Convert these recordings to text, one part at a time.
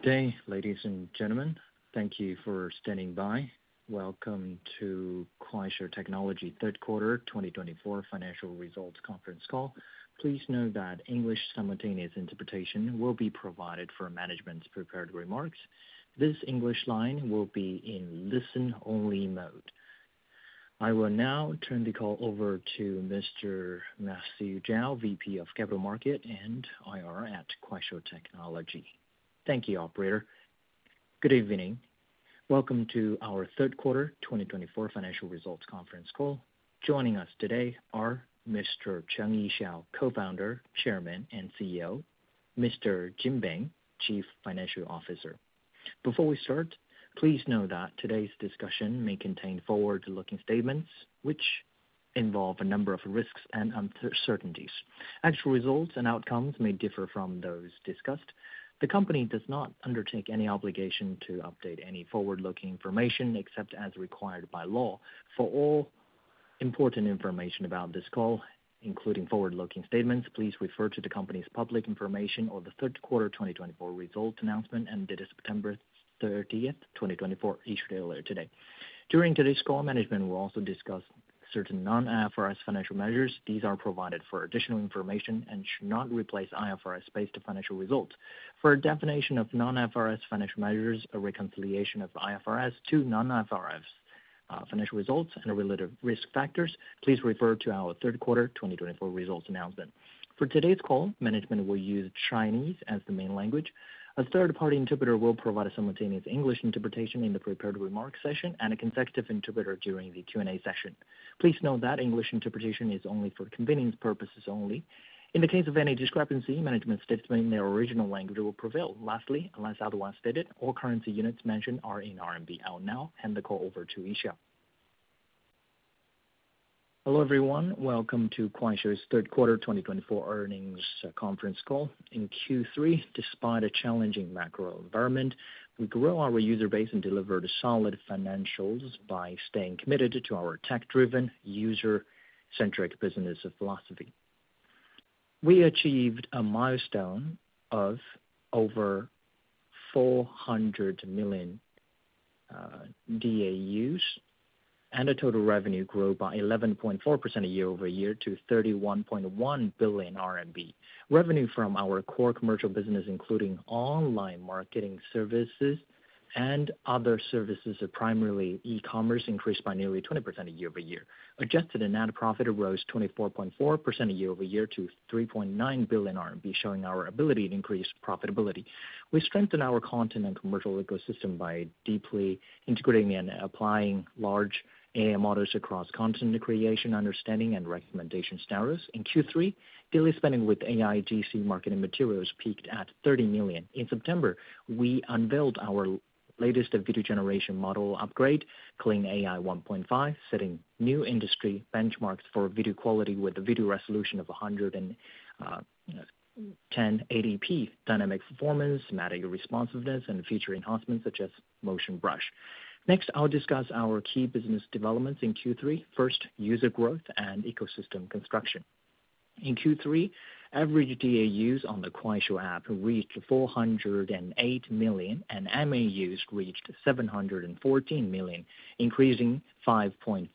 Good day, ladies and gentlemen. Thank you for standing by. Welcome to Kuaishou Technology Q3 2024 financial results conference call. Please note that English simultaneous interpretation will be provided for management's prepared remarks. This English line will be in listen-only mode. I will now turn the call over to Mr. Matthew Zhao, VP of Capital Markets and IR at Kuaishou Technology. Thank you, Operator. Good evening. Welcome to our Q3 2024 financial results conference call. Joining us today are Mr. Cheng Yixiao, Co-founder, Chairman, and CEO, and Mr. Jin Bing, Chief Financial Officer. Before we start, please know that today's discussion may contain forward-looking statements which involve a number of risks and uncertainties. Actual results and outcomes may differ from those discussed. The company does not undertake any obligation to update any forward-looking information except as required by law. For all important information about this call, including forward-looking statements, please refer to the company's public information or the Q3 2024 results announcement ended September 30th, 2024, issued earlier today. During today's call, management will also discuss certain non-IFRS financial measures. These are provided for additional information and should not replace IFRS-based financial results. For a definition of non-IFRS financial measures, a reconciliation of IFRS to non-IFRS financial results, and related risk factors, please refer to our third Q3 results announcement. For today's call, management will use Chinese as the main language. A third-party interpreter will provide simultaneous English interpretation in the prepared remarks session and a consecutive interpreter during the Q&A session. Please note that English interpretation is only for convenience purposes only. In the case of any discrepancy, management states the original language will prevail. Lastly, unless otherwise stated, all currency units mentioned are in RMB. And now, hand the call over to Yixiao. Hello, everyone. Welcome to Kuaishou's Q3 2024 earnings conference call. In Q3, despite a challenging macro environment, we grew our user base and delivered solid financials by staying committed to our tech-driven, user-centric business philosophy. We achieved a milestone of over 400 million DAUs, and our total revenue grew by 11.4% year over year to 31.1 billion RMB. Revenue from our core commercial business, including online marketing services and other services, primarily e-commerce, increased by nearly 20% year over year. Adjusted and net profit rose 24.4% year over year to 3.9 billion RMB, showing our ability to increase profitability. We strengthened our content and commercial ecosystem by deeply integrating and applying large AI models across content creation, understanding, and recommendation scenarios. In Q3, daily spending with AIGC marketing materials peaked at 30 million. In September, we unveiled our latest video generation model upgrade, Kling AI 1.5, setting new industry benchmarks for video quality with a video resolution of 1080p, dynamic performance, motion responsiveness, and feature enhancements such as motion brush. Next, I'll discuss our key business developments in Q3. First, user growth and ecosystem construction. In Q3, average DAUs on the Kuaishou app reached 408 million, and MAUs reached 714 million, increasing 5.4%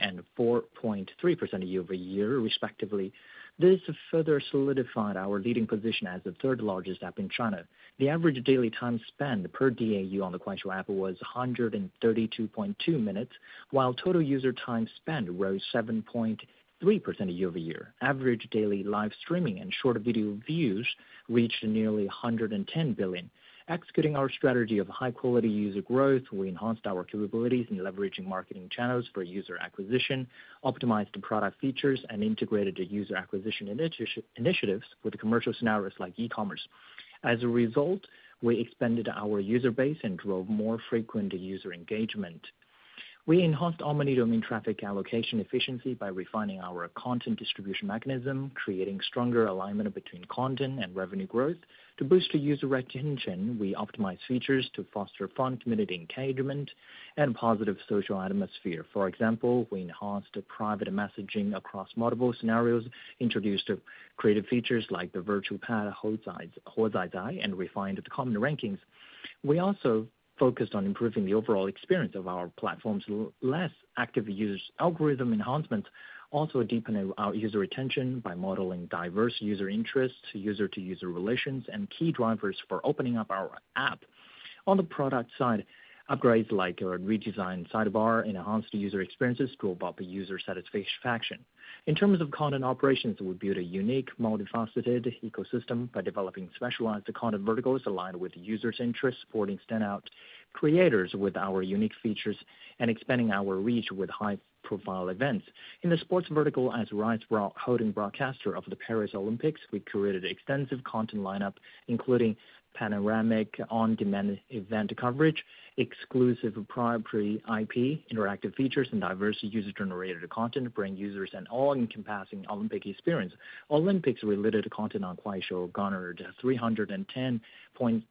and 4.3% year over year, respectively. This further solidified our leading position as the third largest app in China. The average daily time spent per DAU on the Kuaishou app was 132.2 minutes, while total user time spent rose 7.3% year over year. Average daily live streaming and short video views reached nearly 110 billion. Executing our strategy of high-quality user growth, we enhanced our capabilities in leveraging marketing channels for user acquisition, optimized product features, and integrated user acquisition initiatives with commercial scenarios like e-commerce. As a result, we expanded our user base and drove more frequent user engagement. We enhanced our monetization-domain traffic allocation efficiency by refining our content distribution mechanism, creating stronger alignment between content and revenue growth. To boost user retention, we optimized features to foster fun, community engagement, and a positive social atmosphere. For example, we enhanced private messaging across multiple scenarios, introduced creative features like the virtual pet, Huazai, and refined common rankings. We also focused on improving the overall experience of our platform's less active user algorithm enhancements, also deepening our user retention by modeling diverse user interests, user-to-user relations, and key drivers for opening up our app. On the product side, upgrades like a redesigned sidebar and enhanced user experiences drove up user satisfaction. In terms of content operations, we built a unique multifaceted ecosystem by developing specialized content verticals aligned with users' interests, supporting standout creators with our unique features, and expanding our reach with high-profile events. In the sports vertical, as rights-holding broadcaster of the Paris Olympics, we curated extensive content lineup, including panoramic on-demand event coverage, exclusive proprietary IP, interactive features, and diverse user-generated content to bring users an all-encompassing Olympic experience. Olympics-related content on Kuaishou garnered 310.6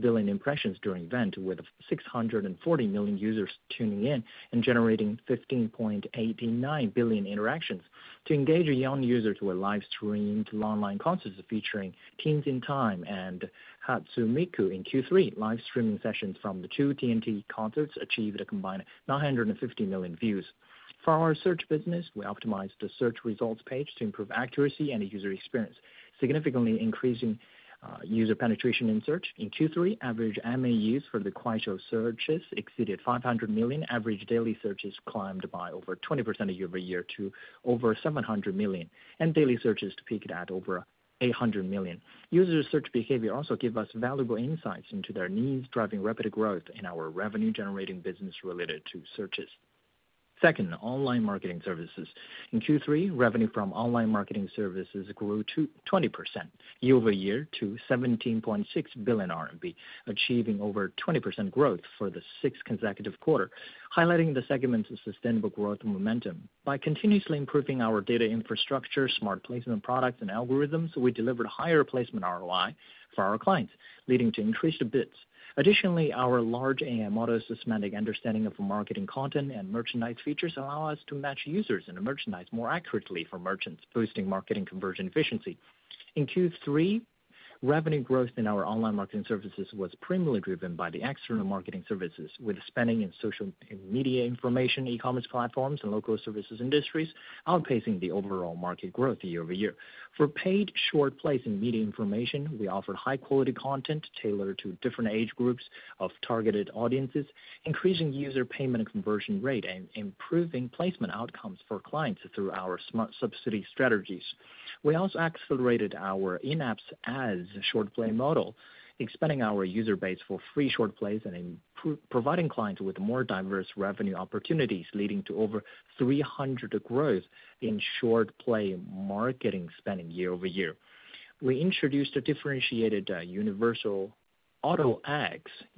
billion impressions during the event, with 640 million users tuning in and generating 15.89 billion interactions. To engage young users, we live-streamed online concerts featuring Teens in Time and Hatsune Miku in Q3. Live streaming sessions from the two TNT concerts achieved a combined 950 million views. For our search business, we optimized the search results page to improve accuracy and user experience, significantly increasing user penetration in search. In Q3, average MAUs for the Kuaishou searches exceeded 500 million. Average daily searches climbed by over 20% year over year to over 700 million, and daily searches peaked at over 800 million. User search behavior also gave us valuable insights into their needs, driving rapid growth in our revenue-generating business related to searches. Second, online marketing services. In Q3, revenue from online marketing services grew 20% year over year to 17.6 billion RMB, achieving over 20% growth for the sixth consecutive quarter, highlighting the segment's sustainable growth momentum. By continuously improving our data infrastructure, smart placement products, and algorithms, we delivered higher placement ROI for our clients, leading to increased bids. Additionally, our large AI model's systematic understanding of marketing content and merchandise features allows us to match users and merchandise more accurately for merchants, boosting marketing conversion efficiency. In Q3, revenue growth in our online marketing services was primarily driven by the external marketing services, with spending in social media information, e-commerce platforms, and local services industries outpacing the overall market growth year over year. For paid short placement media information, we offered high-quality content tailored to different age groups of targeted audiences, increasing user payment and conversion rate and improving placement outcomes for clients through our smart subsidy strategies. We also accelerated our in-app SaaS for Short Plays model, expanding our user base for free Short Plays and providing clients with more diverse revenue opportunities, leading to over 300% growth in Short Plays marketing spending year over year. We introduced a differentiated universal auto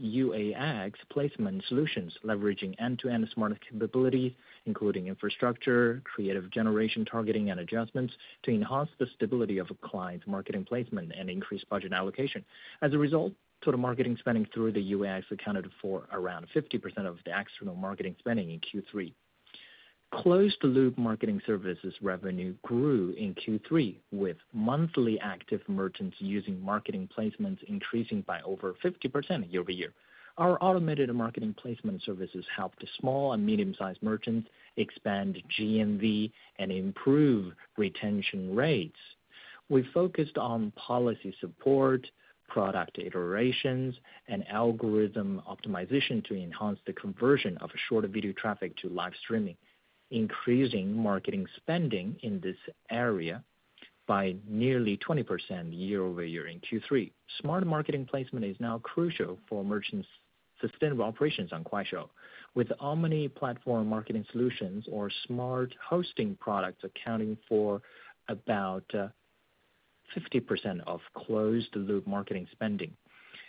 UAX placement solutions, leveraging end-to-end smart capabilities, including infrastructure, creative generation targeting, and adjustments to enhance the stability of clients' marketing placement and increase budget allocation. As a result, total marketing spending through the UAX accounted for around 50% of the external marketing spending in Q3. Closed-loop marketing services revenue grew in Q3, with monthly active merchants using marketing placements increasing by over 50% year over year. Our automated marketing placement services helped small and medium-sized merchants expand GMV and improve retention rates. We focused on policy support, product iterations, and algorithm optimization to enhance the conversion of short video traffic to live streaming, increasing marketing spending in this area by nearly 20% year over year in Q3. Smart marketing placement is now crucial for merchants' sustainable operations on Kuaishou, with omni-platform marketing solutions or smart hosting products accounting for about 50% of closed-loop marketing spending.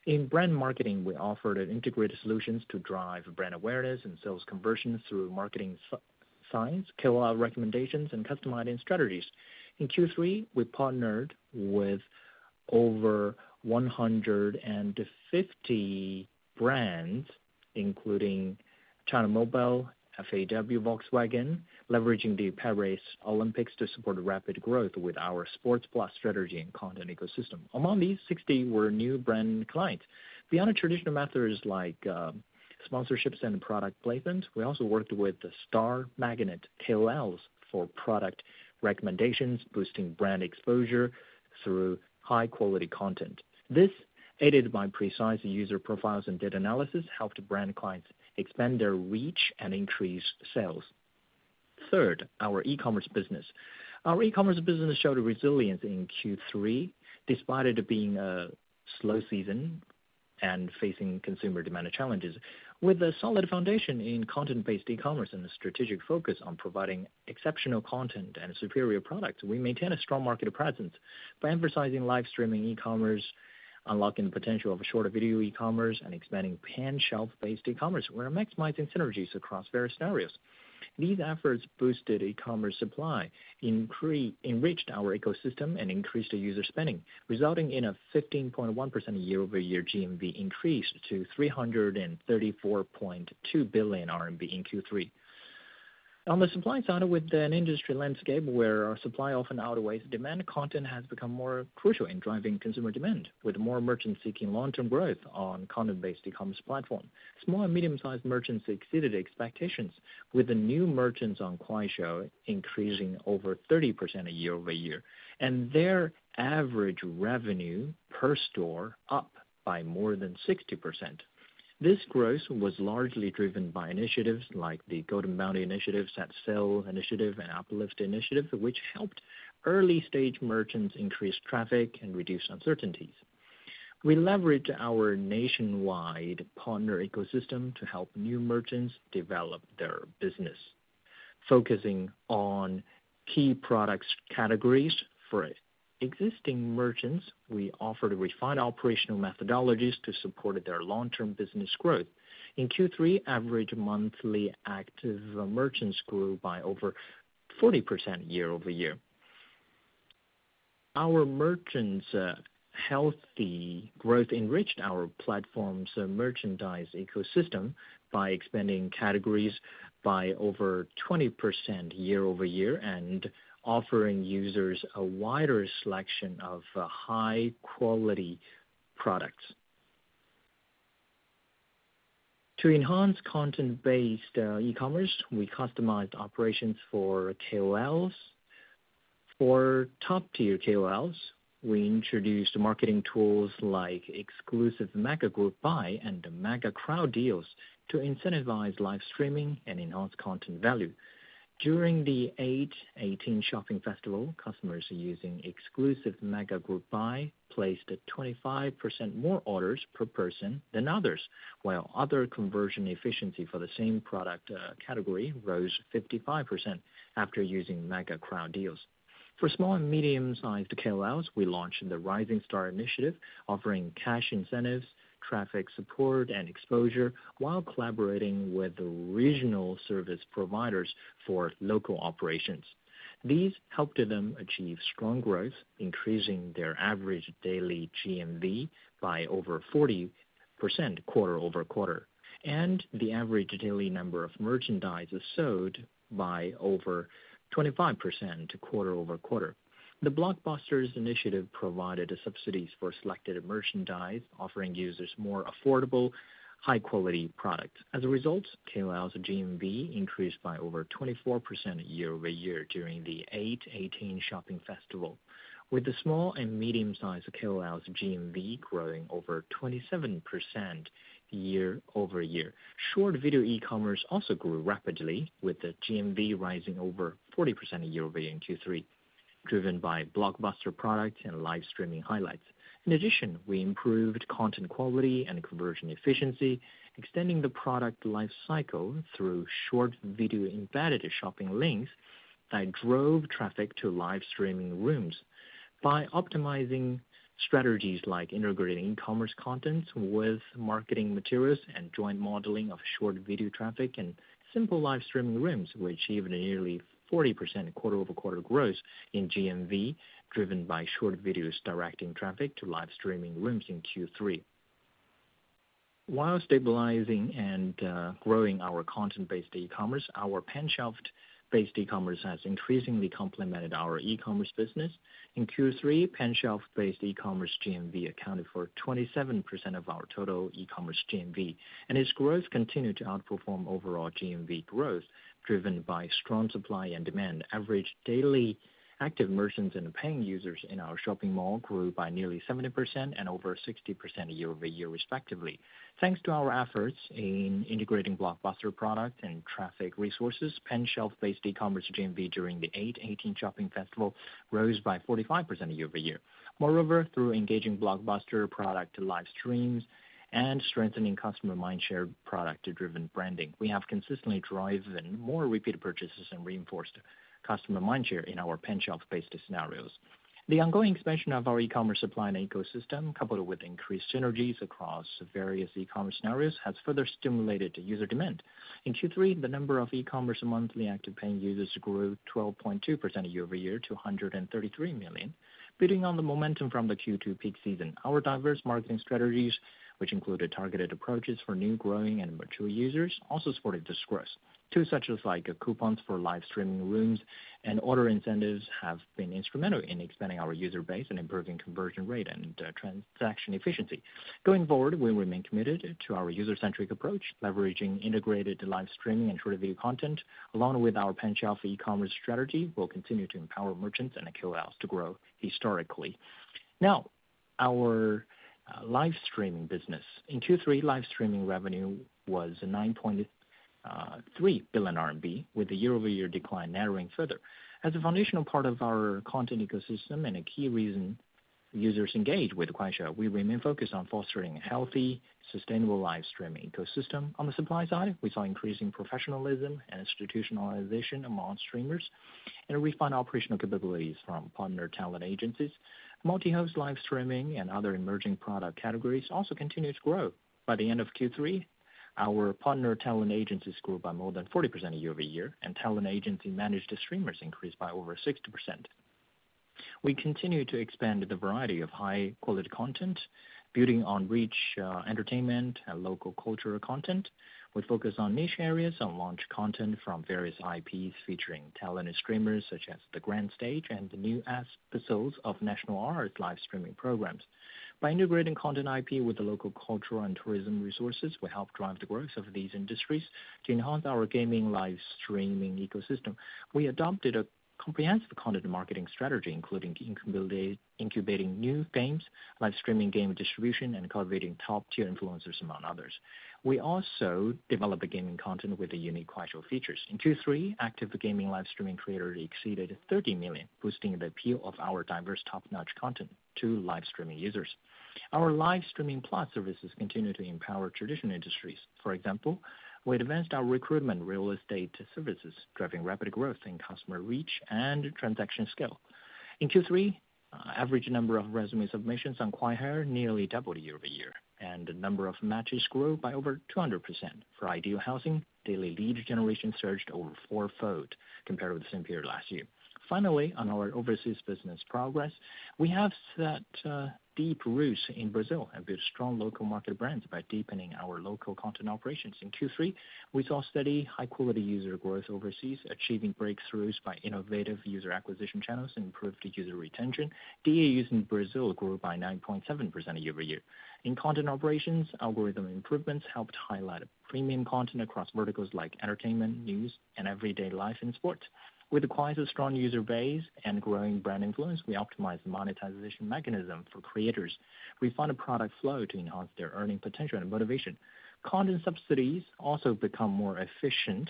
In brand marketing, we offered integrated solutions to drive brand awareness and sales conversion through marketing signs, KOL recommendations, and customizing strategies. In Q3, we partnered with over 150 brands, including China Mobile, FAW, Volkswagen, leveraging the Paris Olympics to support rapid growth with our sports-plus strategy and content ecosystem. Among these, 60 were new brand clients. Beyond traditional methods like sponsorships and product placements, we also worked with the Magnet Star KOLs for product recommendations, boosting brand exposure through high-quality content. This, aided by precise user profiles and data analysis, helped brand clients expand their reach and increase sales. Third, our e-commerce business. Our e-commerce business showed resilience in Q3, despite it being a slow season and facing consumer demand challenges. With a solid foundation in content-based e-commerce and a strategic focus on providing exceptional content and superior products, we maintain a strong market presence by emphasizing live streaming e-commerce, unlocking the potential of short video e-commerce, and expanding pan-shelf-based e-commerce. We're maximizing synergies across various scenarios. These efforts boosted e-commerce supply, enriched our ecosystem, and increased user spending, resulting in a 15.1% year-over-year GMV increase to 334.2 billion RMB in Q3. On the supply side, with an industry landscape where supply often outweighs demand, content has become more crucial in driving consumer demand, with more merchants seeking long-term growth on content-based e-commerce platforms. Small and medium-sized merchants exceeded expectations, with the new merchants on Kuaishou increasing over 30% year over year, and their average revenue per store up by more than 60%. This growth was largely driven by initiatives like the Golden Bounty Initiative, Sail Initiative, and Uplift Initiative, which helped early-stage merchants increase traffic and reduce uncertainties. We leveraged our nationwide partner ecosystem to help new merchants develop their business, focusing on key product categories. For existing merchants, we offered refined operational methodologies to support their long-term business growth. In Q3, average monthly active merchants grew by over 40% year over year. Our merchants' healthy growth enriched our platform's merchandise ecosystem by expanding categories by over 20% year over year and offering users a wider selection of high-quality products. To enhance content-based e-commerce, we customized operations for KOLs. For top-tier KOLs, we introduced marketing tools like exclusive Mega Group Buy and Mega Crowd Deals to incentivize live streaming and enhance content value. During the 818 Shopping Festival, customers using exclusive Mega Group Buy placed 25% more orders per person than others, while other conversion efficiency for the same product category rose 55% after using Mega Crowd Deals. For small and medium-sized KOLs, we launched the Rising Star Initiative, offering cash incentives, traffic support, and exposure, while collaborating with regional service providers for local operations. These helped them achieve strong growth, increasing their average daily GMV by over 40% quarter over quarter, and the average daily number of merchandise sold by over 25% quarter over quarter. The Blockbusters Initiative provided subsidies for selected merchandise, offering users more affordable, high-quality products. As a result, KOLs' GMV increased by over 24% year over year during the 818 Shopping Festival, with the small and medium-sized KOLs' GMV growing over 27% year over year. Short video e-commerce also grew rapidly, with the GMV rising over 40% year over year in Q3, driven by blockbuster products and live streaming highlights. In addition, we improved content quality and conversion efficiency, extending the product life cycle through short video embedded shopping links that drove traffic to live streaming rooms. By optimizing strategies like integrating e-commerce contents with marketing materials and joint modeling of short video traffic and simple live streaming rooms, we achieved nearly 40% quarter over quarter growth in GMV, driven by short videos directing traffic to live streaming rooms in Q3. While stabilizing and growing our content-based e-commerce, our pan-shelf-based e-commerce has increasingly complemented our e-commerce business. In Q3, pan-shelf-based e-commerce GMV accounted for 27% of our total e-commerce GMV, and its growth continued to outperform overall GMV growth, driven by strong supply and demand. Average daily active merchants and paying users in our shopping mall grew by nearly 70% and over 60% year over year, respectively. Thanks to our efforts in integrating blockbuster products and traffic resources, pan-shelf-based e-commerce GMV during the 818 Shopping Festival rose by 45% year over year. Moreover, through engaging blockbuster product live streams and strengthening customer mindshare product-driven branding, we have consistently driven more repeat purchases and reinforced customer mindshare in our pan-shelf-based scenarios. The ongoing expansion of our e-commerce supply and ecosystem, coupled with increased synergies across various e-commerce scenarios, has further stimulated user demand. In Q3, the number of e-commerce monthly active paying users grew 12.2% year over year to 133 million, building on the momentum from the Q2 peak season. Our diverse marketing strategies, which included targeted approaches for new, growing, and mature users, also supported this growth. Tools such as coupons for live streaming rooms and order incentives have been instrumental in expanding our user base and improving conversion rate and transaction efficiency. Going forward, we remain committed to our user-centric approach, leveraging integrated live streaming and short video content. Along with our pan-shelf e-commerce strategy, we'll continue to empower merchants and KOLs to grow historically. Now, our live streaming business. In Q3, live streaming revenue was 9.3 billion RMB, with the year-over-year decline narrowing further. As a foundational part of our content ecosystem and a key reason users engage with Kuaishou, we remain focused on fostering a healthy, sustainable live streaming ecosystem. On the supply side, we saw increasing professionalism and institutionalization among streamers and refined operational capabilities from partner talent agencies. Multi-host live streaming and other emerging product categories also continued to grow. By the end of Q3, our partner talent agencies grew by more than 40% year over year, and talent agency managed streamers increased by over 60%. We continue to expand the variety of high-quality content, building on rich entertainment and local cultural content. We focus on niche areas and launch content from various IPs featuring talented streamers such as the Grand Stage and the new episodes of National Arts live streaming programs. By integrating content IP with the local cultural and tourism resources, we help drive the growth of these industries to enhance our gaming live streaming ecosystem. We adopted a comprehensive content marketing strategy, including incubating new games, live streaming game distribution, and cultivating top-tier influencers among others. We also developed gaming content with unique Kuaishou features. In Q3, active gaming live streaming creators exceeded 30 million, boosting the appeal of our diverse top-notch content to live streaming users. Our live streaming plus services continue to empower traditional industries. For example, we advanced our recruitment real estate services, driving rapid growth in customer reach and transaction scale. In Q3, average number of resume submissions on Kuaishou nearly doubled year over year, and the number of matches grew by over 200%. For Ideal Housing, daily lead generation surged over fourfold compared with the same period last year. Finally, on our overseas business progress, we have set deep roots in Brazil and built strong local market brands by deepening our local content operations. In Q3, we saw steady high-quality user growth overseas, achieving breakthroughs by innovative user acquisition channels and improved user retention. DAUs in Brazil grew by 9.7% year over year. In content operations, algorithm improvements helped highlight premium content across verticals like entertainment, news, and everyday life and sports. With Kuaishou's strong user base and growing brand influence, we optimized the monetization mechanism for creators. We funded product flow to enhance their earning potential and motivation. Content subsidies also became more efficient,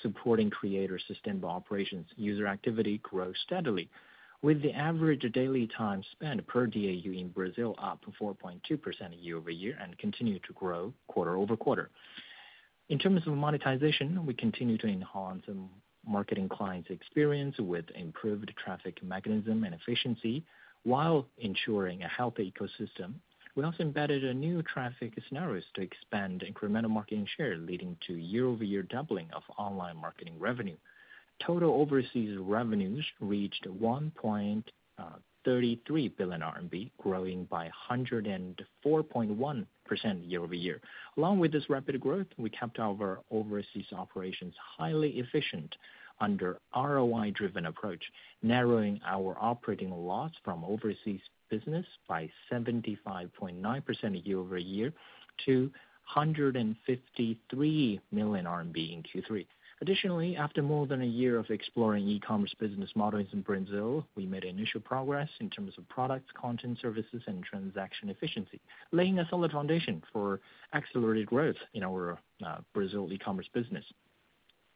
supporting creators' sustainable operations. User activity grew steadily, with the average daily time spent per DAU in Brazil up 4.2% year over year and continued to grow quarter over quarter. In terms of monetization, we continue to enhance marketing clients' experience with improved traffic mechanism and efficiency. While ensuring a healthy ecosystem, we also embedded new traffic scenarios to expand incremental marketing share, leading to year-over-year doubling of online marketing revenue. Total overseas revenues reached 1.33 billion RMB, growing by 104.1% year over year. Along with this rapid growth, we kept our overseas operations highly efficient under an ROI-driven approach, narrowing our operating loss from overseas business by 75.9% year over year to 153 million RMB in Q3. Additionally, after more than a year of exploring e-commerce business models in Brazil, we made initial progress in terms of products, content services, and transaction efficiency, laying a solid foundation for accelerated growth in our Brazil e-commerce business.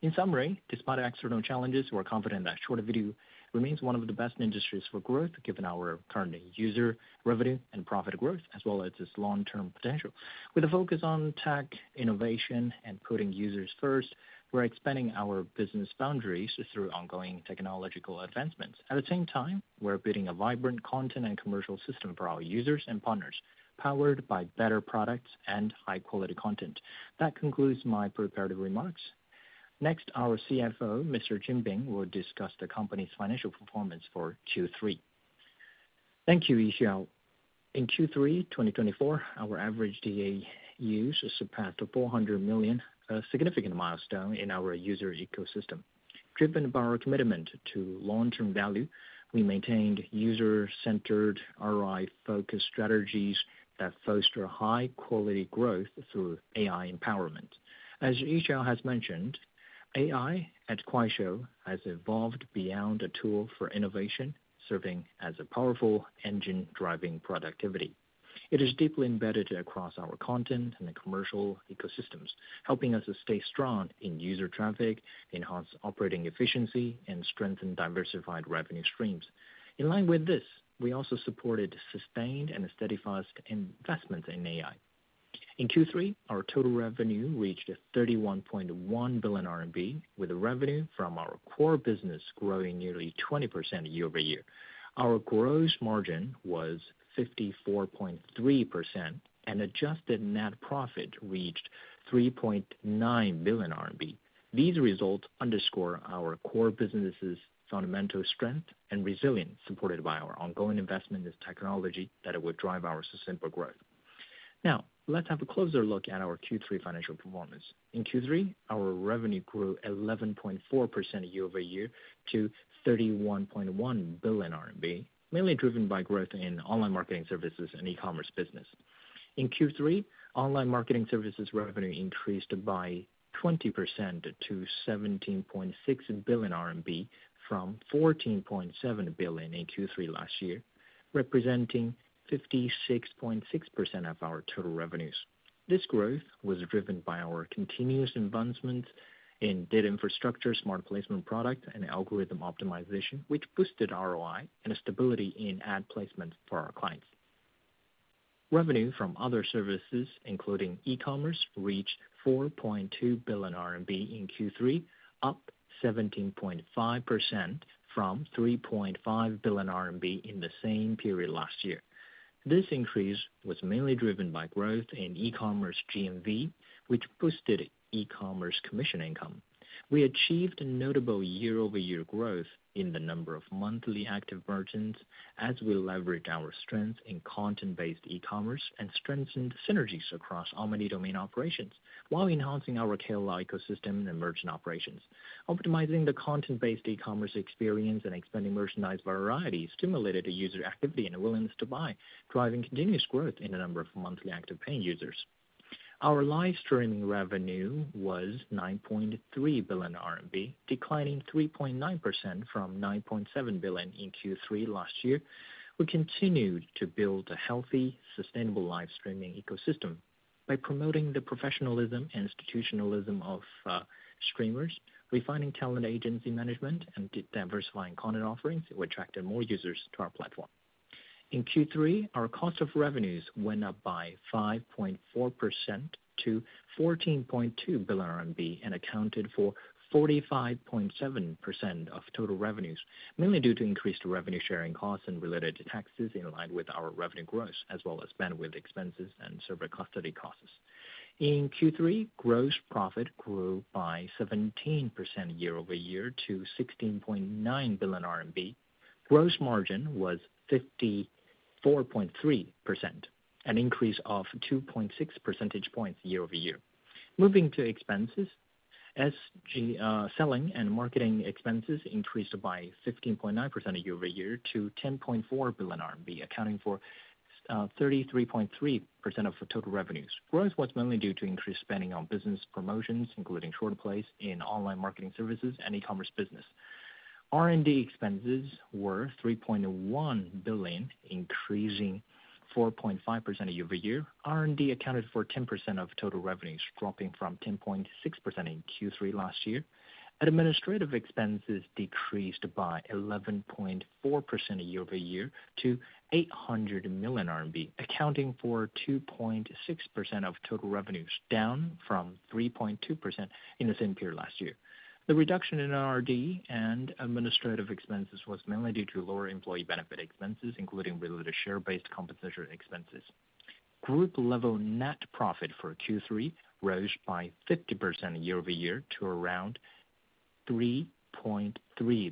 In summary, despite external challenges, we're confident that short video remains one of the best industries for growth, given our current user revenue and profit growth, as well as its long-term potential. With a focus on tech innovation and putting users first, we're expanding our business boundaries through ongoing technological advancements. At the same time, we're building a vibrant content and commercial system for our users and partners, powered by better products and high-quality content. That concludes my preparatory remarks. Next, our CFO, Mr. Jin Bing, will discuss the company's financial performance for Q3. Thank you, Yixiao. In Q3 2024, our average DAUs surpassed 400 million, a significant milestone in our user ecosystem. Driven by our commitment to long-term value, we maintained user-centered, ROI-focused strategies that foster high-quality growth through AI empowerment. As Yixiao has mentioned, AI at Kuaishou has evolved beyond a tool for innovation, serving as a powerful engine driving productivity. It is deeply embedded across our content and commercial ecosystems, helping us stay strong in user traffic, enhance operating efficiency, and strengthen diversified revenue streams. In line with this, we also supported sustained and steadfast investments in AI. In Q3, our total revenue reached 31.1 billion RMB, with revenue from our core business growing nearly 20% year over year. Our gross margin was 54.3%, and adjusted net profit reached 3.9 billion RMB. These results underscore our core business's fundamental strength and resilience, supported by our ongoing investment in technology that will drive our sustainable growth. Now, let's have a closer look at our Q3 financial performance. In Q3, our revenue grew 11.4% year over year to 31.1 billion RMB, mainly driven by growth in online marketing services and e-commerce business. In Q3, online marketing services revenue increased by 20% to 17.6 billion RMB, from 14.7 billion in Q3 last year, representing 56.6% of our total revenues. This growth was driven by our continuous advancements in data infrastructure, smart placement products, and algorithm optimization, which boosted ROI and stability in ad placements for our clients. Revenue from other services, including e-commerce, reached 4.2 billion RMB in Q3, up 17.5% from 3.5 billion RMB in the same period last year. This increase was mainly driven by growth in e-commerce GMV, which boosted e-commerce commission income. We achieved notable year-over-year growth in the number of monthly active merchants as we leveraged our strengths in content-based e-commerce and strengthened synergies across omni-domain operations while enhancing our KOL ecosystem and merchant operations. Optimizing the content-based e-commerce experience and expanding merchandise variety stimulated user activity and willingness to buy, driving continuous growth in the number of monthly active paying users. Our live streaming revenue was 9.3 billion RMB, declining 3.9% from 9.7 billion in Q3 last year. We continued to build a healthy, sustainable live streaming ecosystem by promoting the professionalism and institutionalism of streamers, refining talent agency management, and diversifying content offerings, which attracted more users to our platform. In Q3, our cost of revenues went up by 5.4% to 14.2 billion RMB and accounted for 45.7% of total revenues, mainly due to increased revenue-sharing costs and related taxes in line with our revenue growth, as well as bandwidth expenses and server custody costs. In Q3, gross profit grew by 17% year over year to 16.9 billion RMB. Gross margin was 54.3%, an increase of 2.6 percentage points year over year. Moving to expenses, selling and marketing expenses increased by 15.9% year over year to RMB 10.4 billion, accounting for 33.3% of total revenues. Growth was mainly due to increased spending on business promotions, including short plays in online marketing services and e-commerce business. R&D expenses were 3.1 billion, increasing 4.5% year over year. R&D accounted for 10% of total revenues, dropping from 10.6% in Q3 last year. Administrative expenses decreased by 11.4% year over year to 800 million RMB, accounting for 2.6% of total revenues, down from 3.2% in the same period last year. The reduction in R&D and administrative expenses was mainly due to lower employee benefit expenses, including related share-based compensation expenses. Group-level net profit for Q3 rose by 50% year over year to around 3.3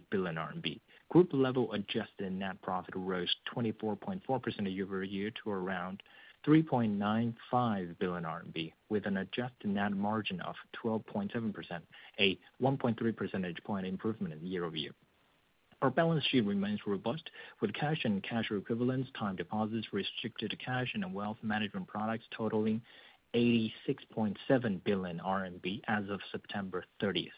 billion RMB. Group-level adjusted net profit rose 24.4% year over year to around 3.95 billion RMB, with an adjusted net margin of 12.7%, a 1.3 percentage point improvement year over year. Our balance sheet remains robust, with cash and cash equivalents, time deposits, restricted cash, and wealth management products totaling 86.7 billion RMB as of September 30.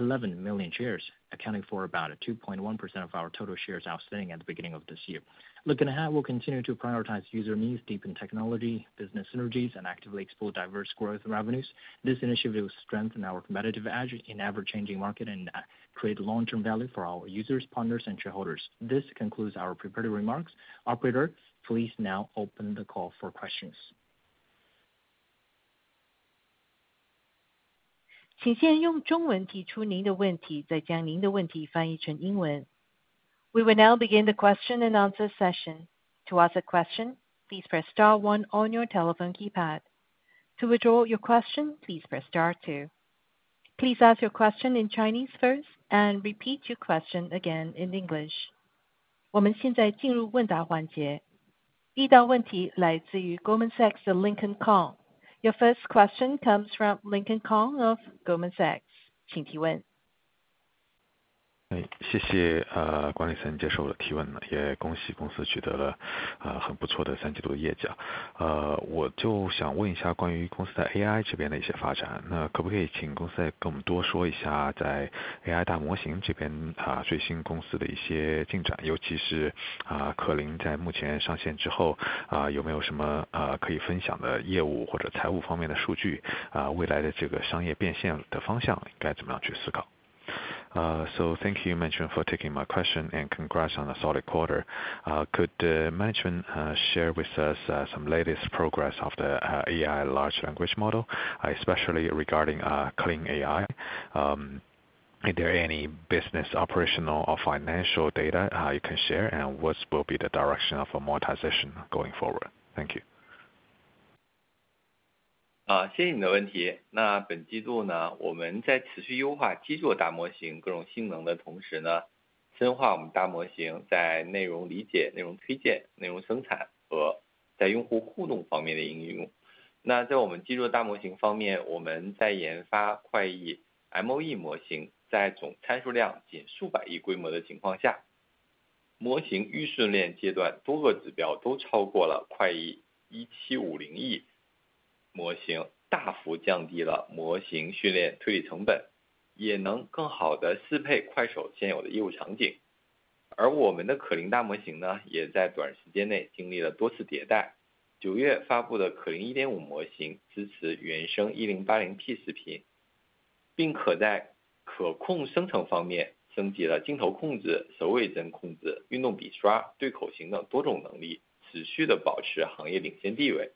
91.11 million shares, accounting for about 2.1% of our total shares outstanding at the beginning of this year. Looking ahead, we'll continue to prioritize user needs, deepen technology, business synergies, and actively explore diverse growth revenues. This initiative will strengthen our competitive edge in ever-changing markets and create long-term value for our users, partners, and shareholders. This concludes our preparatory remarks. Operator, please now open the call for questions. 请先用中文提出您的问题，再将您的问题翻译成英文。We will now begin the question and answer session. To ask a question, please press star one on your telephone keypad. To withdraw your question, please press star two. Please ask your question in Chinese first and repeat your question again in English. 我们现在进入问答环节。第一道问题来自于 Goldman Sachs 的 Lincoln Kong。Your first question comes from Lincoln Kong of Goldman Sachs. 请提问。谢谢 Cheng 先生接受我的提问，也恭喜公司取得了很不错的三季度业绩。我就想问一下关于公司在 AI 这边的一些发展，那可不可以请公司再跟我们多说一下在 AI 大模型这边最新公司的一些进展，尤其是可灵在目前上线之后，有没有什么可以分享的业务或者财务方面的数据，未来的这个商业变现的方向应该怎么样去思考。So thank you, Cheng, for taking my question and congrats on the solid quarter. Could Cheng share with us some latest progress of the AI large language model, especially regarding Kling AI? Are there any business, operational, or financial data you can share, and what will be the direction of monetization going forward? Thank you. 谢谢你的问题。那本季度呢，我们在持续优化基础大模型各种性能的同时，呢，深化我们大模型在内容理解、内容推荐、内容生产和在用户互动方面的应用。那在我们基础大模型方面，我们在研发 KwaiYii MOE 模型，在总参数量仅数百亿规模的情况下，模型预训练阶段多个指标都超过了 Kuai 1750 亿，模型大幅降低了模型训练推理成本，也能更好地适配 Kuaishou 现有的业务场景。而我们的可灵大模型呢，也在短时间内经历了多次迭代，9 月发布的可灵 1.5 模型支持原生 1080p 视频，并可在可控生成方面升级了镜头控制、手尾针控制、运动笔刷、对口型等多种能力，持续地保持行业领先地位。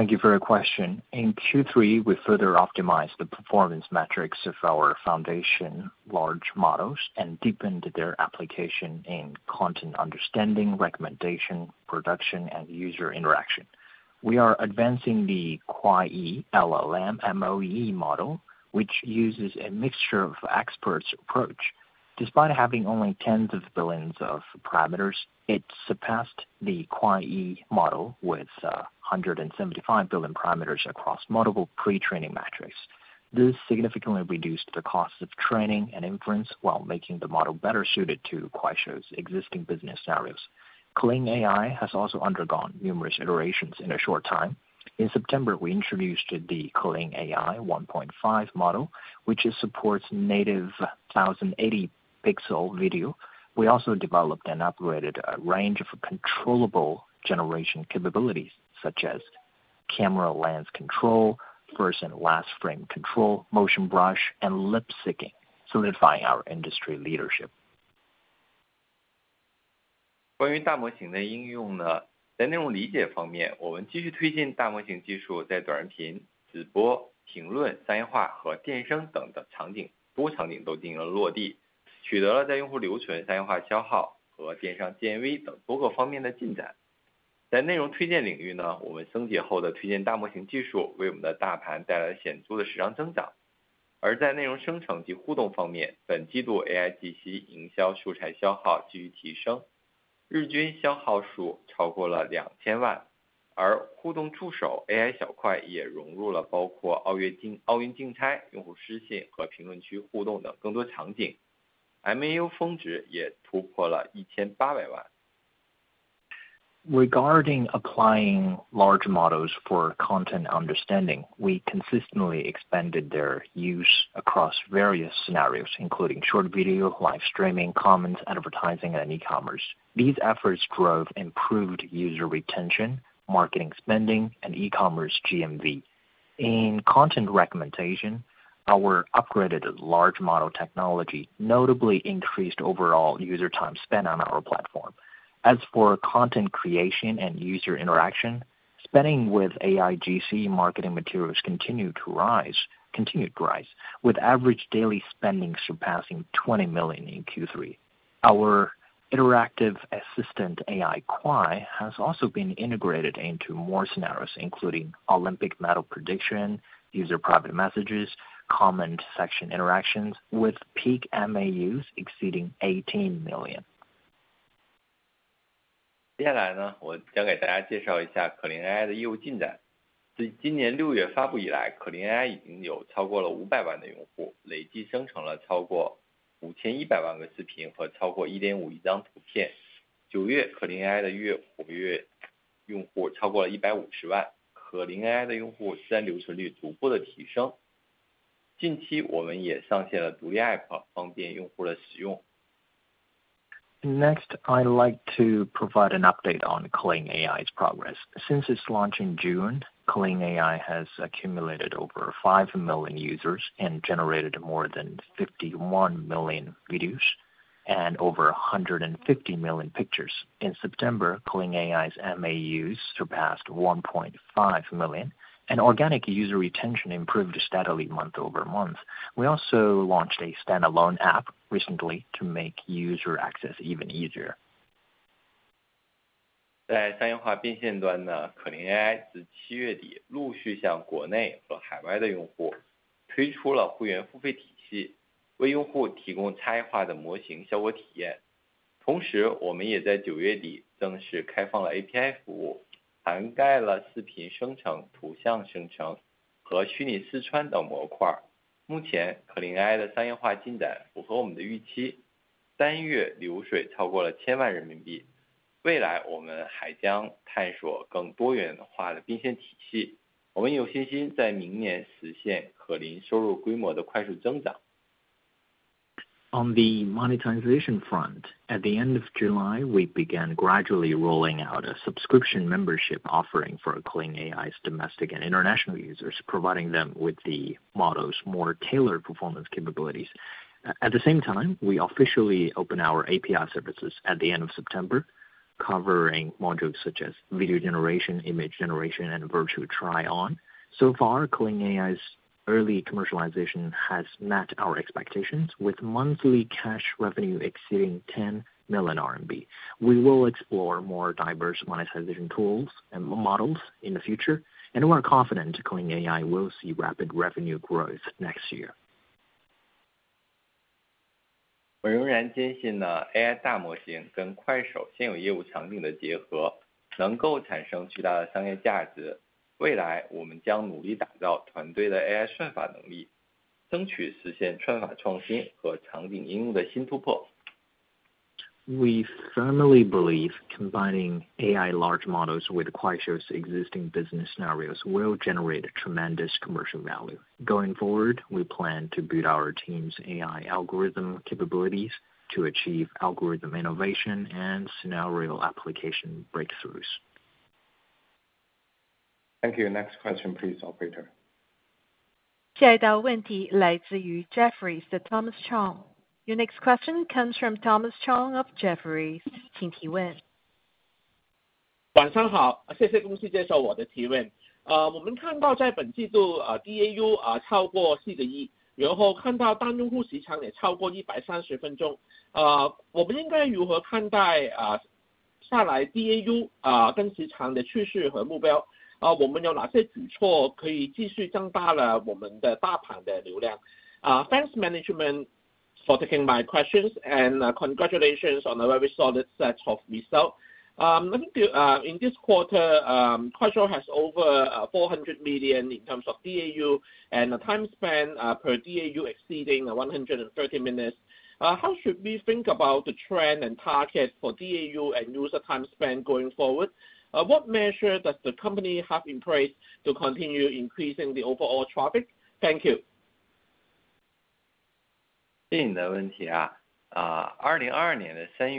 Thank you for your question. In Q3, we further optimized the performance metrics of our foundation large models and deepened their application in content understanding, recommendation, production, and user interaction. We are advancing the Kuai LLM MOE model, which uses a mixture of experts approach. Despite having only tens of billions of parameters, it surpassed the Kuai model with 175 billion parameters across multiple pre-training metrics. This significantly reduced the cost of training and inference while making the model better suited to Kuaishou's existing business scenarios. Kling AI has also undergone numerous iterations in a short time. In September, we introduced the Kling AI 1.5 model, which supports native 1080p video. We also developed and upgraded a range of controllable generation capabilities, such as camera lens control, first and last frame control, Motion Brush, and lip syncing, solidifying our industry leadership. 关于大模型的应用呢，在内容理解方面，我们继续推进大模型技术，在短视频、直播、评论、商业化和电商等等场景，多场景都进行了落地，取得了在用户留存、商业化消耗和电商 GMV 等多个方面的进展。在内容推荐领域呢，我们升级后的推荐大模型技术为我们的大盘带来了显著的增长。而在内容生成及互动方面，本季度 AIGC 营销素材消耗继续提升，日均消耗数超过了 2,000 万，而互动助手 AI Kuai 也融入了包括奥运竞猜、用户私信和评论区互动等更多场景。MAU 峰值也突破了 1,800 万。Regarding applying large models for content understanding, we consistently expanded their use across various scenarios, including short video, live streaming, comments, advertising, and e-commerce. These efforts drove improved user retention, marketing spending, and e-commerce GMV. In content recommendation, our upgraded large model technology notably increased overall user time spent on our platform. As for content creation and user interaction, spending with AIGC marketing materials continued to rise, with average daily spending surpassing 20 million in Q3. Our interactive assistant AI Kuai has also been integrated into more scenarios, including Olympic medal prediction, user private messages, comment section interactions, with peak MAUs exceeding 18 million. 接下来呢，我将给大家介绍一下可灵 AI 的业务进展。自今年 6 月发布以来，可灵 AI 已经有超过了 500 万的用户，累计生成了超过 5,100 万个视频和超过 1.5 亿张图片。9 月可灵 AI 的月活跃用户超过了 150 万，可灵 AI 的用户自然留存率逐步的提升。近期我们也上线了独立 APP，方便用户的使用。Next, I'd like to provide an update on Kling AI's progress. Since its launch in June, Kling AI has accumulated over five million users and generated more than 51 million videos and over 150 million pictures. In September, Kling AI's MAUs surpassed 1.5 million, and organic user retention improved steadily month over month. We also launched a standalone app recently to make user access even easier. 在商业化变现端呢，可灵 AI 自7 月底陆续向国内和海外的用户推出了会员付费体系，为用户提供差异化的模型效果体验。同时，我们也在 9 月底正式开放了 API 服务，涵盖了视频生成、图像生成和虚拟试穿等模块。目前，可灵 AI 的商业化进展符合我们的预期，单月流水超过了千万人民币。未来我们还将探索更多元化的变现体系，我们有信心在明年实现可灵收入规模的快速增长。On the monetization front, at the end of July, we began gradually rolling out a subscription membership offering for Kling AI's domestic and international users, providing them with the model's more tailored performance capabilities. At the same time, we officially opened our API services at the end of September, covering modules such as video generation, image generation, and virtual try-on. So far, Kling AI's early commercialization has met our expectations, with monthly cash revenue exceeding 10 million RMB. We will explore more diverse monetization tools and models in the future, and we're confident Kling AI will see rapid revenue growth next year. 我认为人间性的 AI 大模型跟快手现有业务场景的结合能够产生巨大的商业价值。未来我们将努力打造团队的 AI 算法能力，争取实现算法创新和场景应用的新突破。We firmly believe combining AI large models with Kuaishou's existing business scenarios will generate tremendous commercial value. Going forward, we plan to build our team's AI algorithm capabilities to achieve algorithm innovation and scenario application breakthroughs. Thank you. Next question, please, Operator. 下一道问题来自于 Jefferies 的 Thomas Chong。Your next question comes from Thomas Chong of Jefferies. 请提问。晚上好，谢谢公司接受我的提问。我们看到在本季度 DAU 超过 4 个亿，然后看到单用户时长也超过 130 分钟。我们应该如何看待下来 DAU 跟时长的趋势和目标？我们有哪些举措可以继续增大了我们的大盘的流量？ Thanks, Management, for taking my questions, and congratulations on a very solid set of results. In this quarter, Kuaishou has over 400 million in terms of DAU, and the time span per DAU exceeding 130 minutes. How should we think about the trend and target for DAU and user time span going forward? What measure does the company have in place to continue increasing the overall traffic? Thank you. 谢谢你的问题。2022 年的 3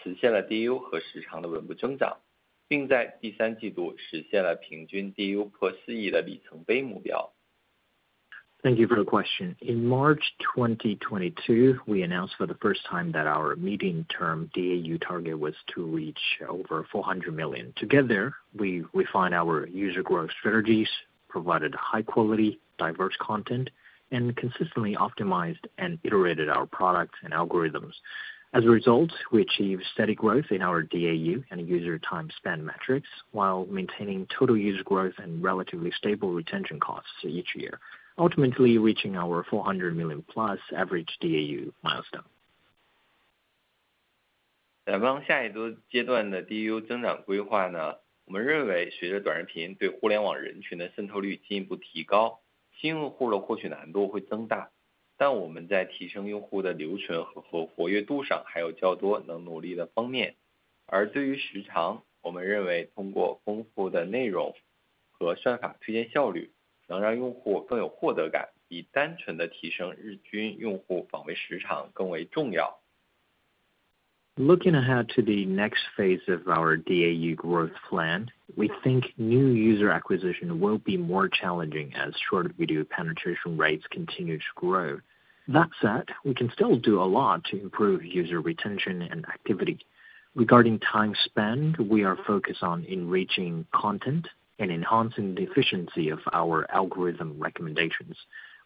月，我们首次提出了 DAU 破10 亿的中期目标。围绕该目标，我们通过精细化的用户增长策略、高质量的多元内容供给、产品以及算法的持续优化迭代等措施，在各年用户增长和维系费用总额保持相对平稳的情况下，实现了 DAU 和时长的稳步增长，并在第三季度实现了平均 DAU 破4 亿的里程碑目标。Thank you for the question. In March 2022, we announced for the first time that our medium-term DAU target was to reach over 400 million. Together, we refined our user growth strategies, provided high-quality, diverse content, and consistently optimized and iterated our products and algorithms. As a result, we achieved steady growth in our DAU and user time span metrics while maintaining total user growth and relatively stable retention costs each year, ultimately reaching our 400 million plus average DAU milestone. Looking ahead to the next phase of our DAU growth plan, we think new user acquisition will be more challenging as short video penetration rates continue to grow. That said, we can still do a lot to improve user retention and activity. Regarding time spent, we are focused on enriching content and enhancing the efficiency of our algorithm recommendations.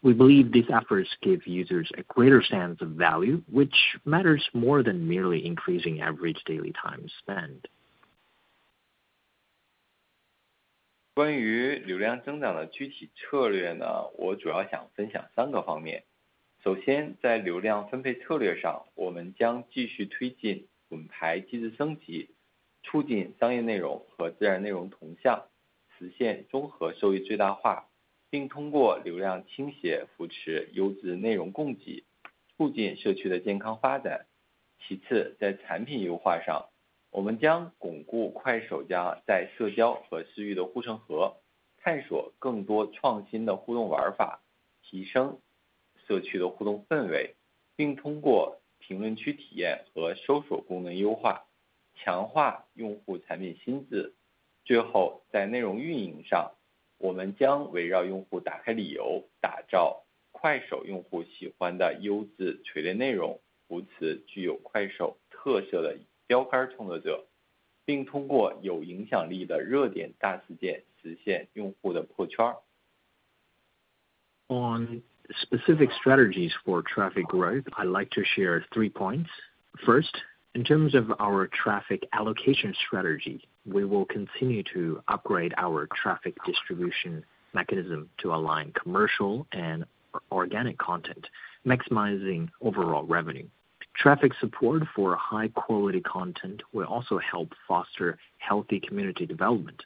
We believe these efforts give users a greater sense of value, which matters more than merely increasing average daily time spent. On specific strategies for traffic growth, I'd like to share three points. First, in terms of our traffic allocation strategy, we will continue to upgrade our traffic distribution mechanism to align commercial and organic content, maximizing overall revenue. Traffic support for high-quality content will also help foster healthy community development.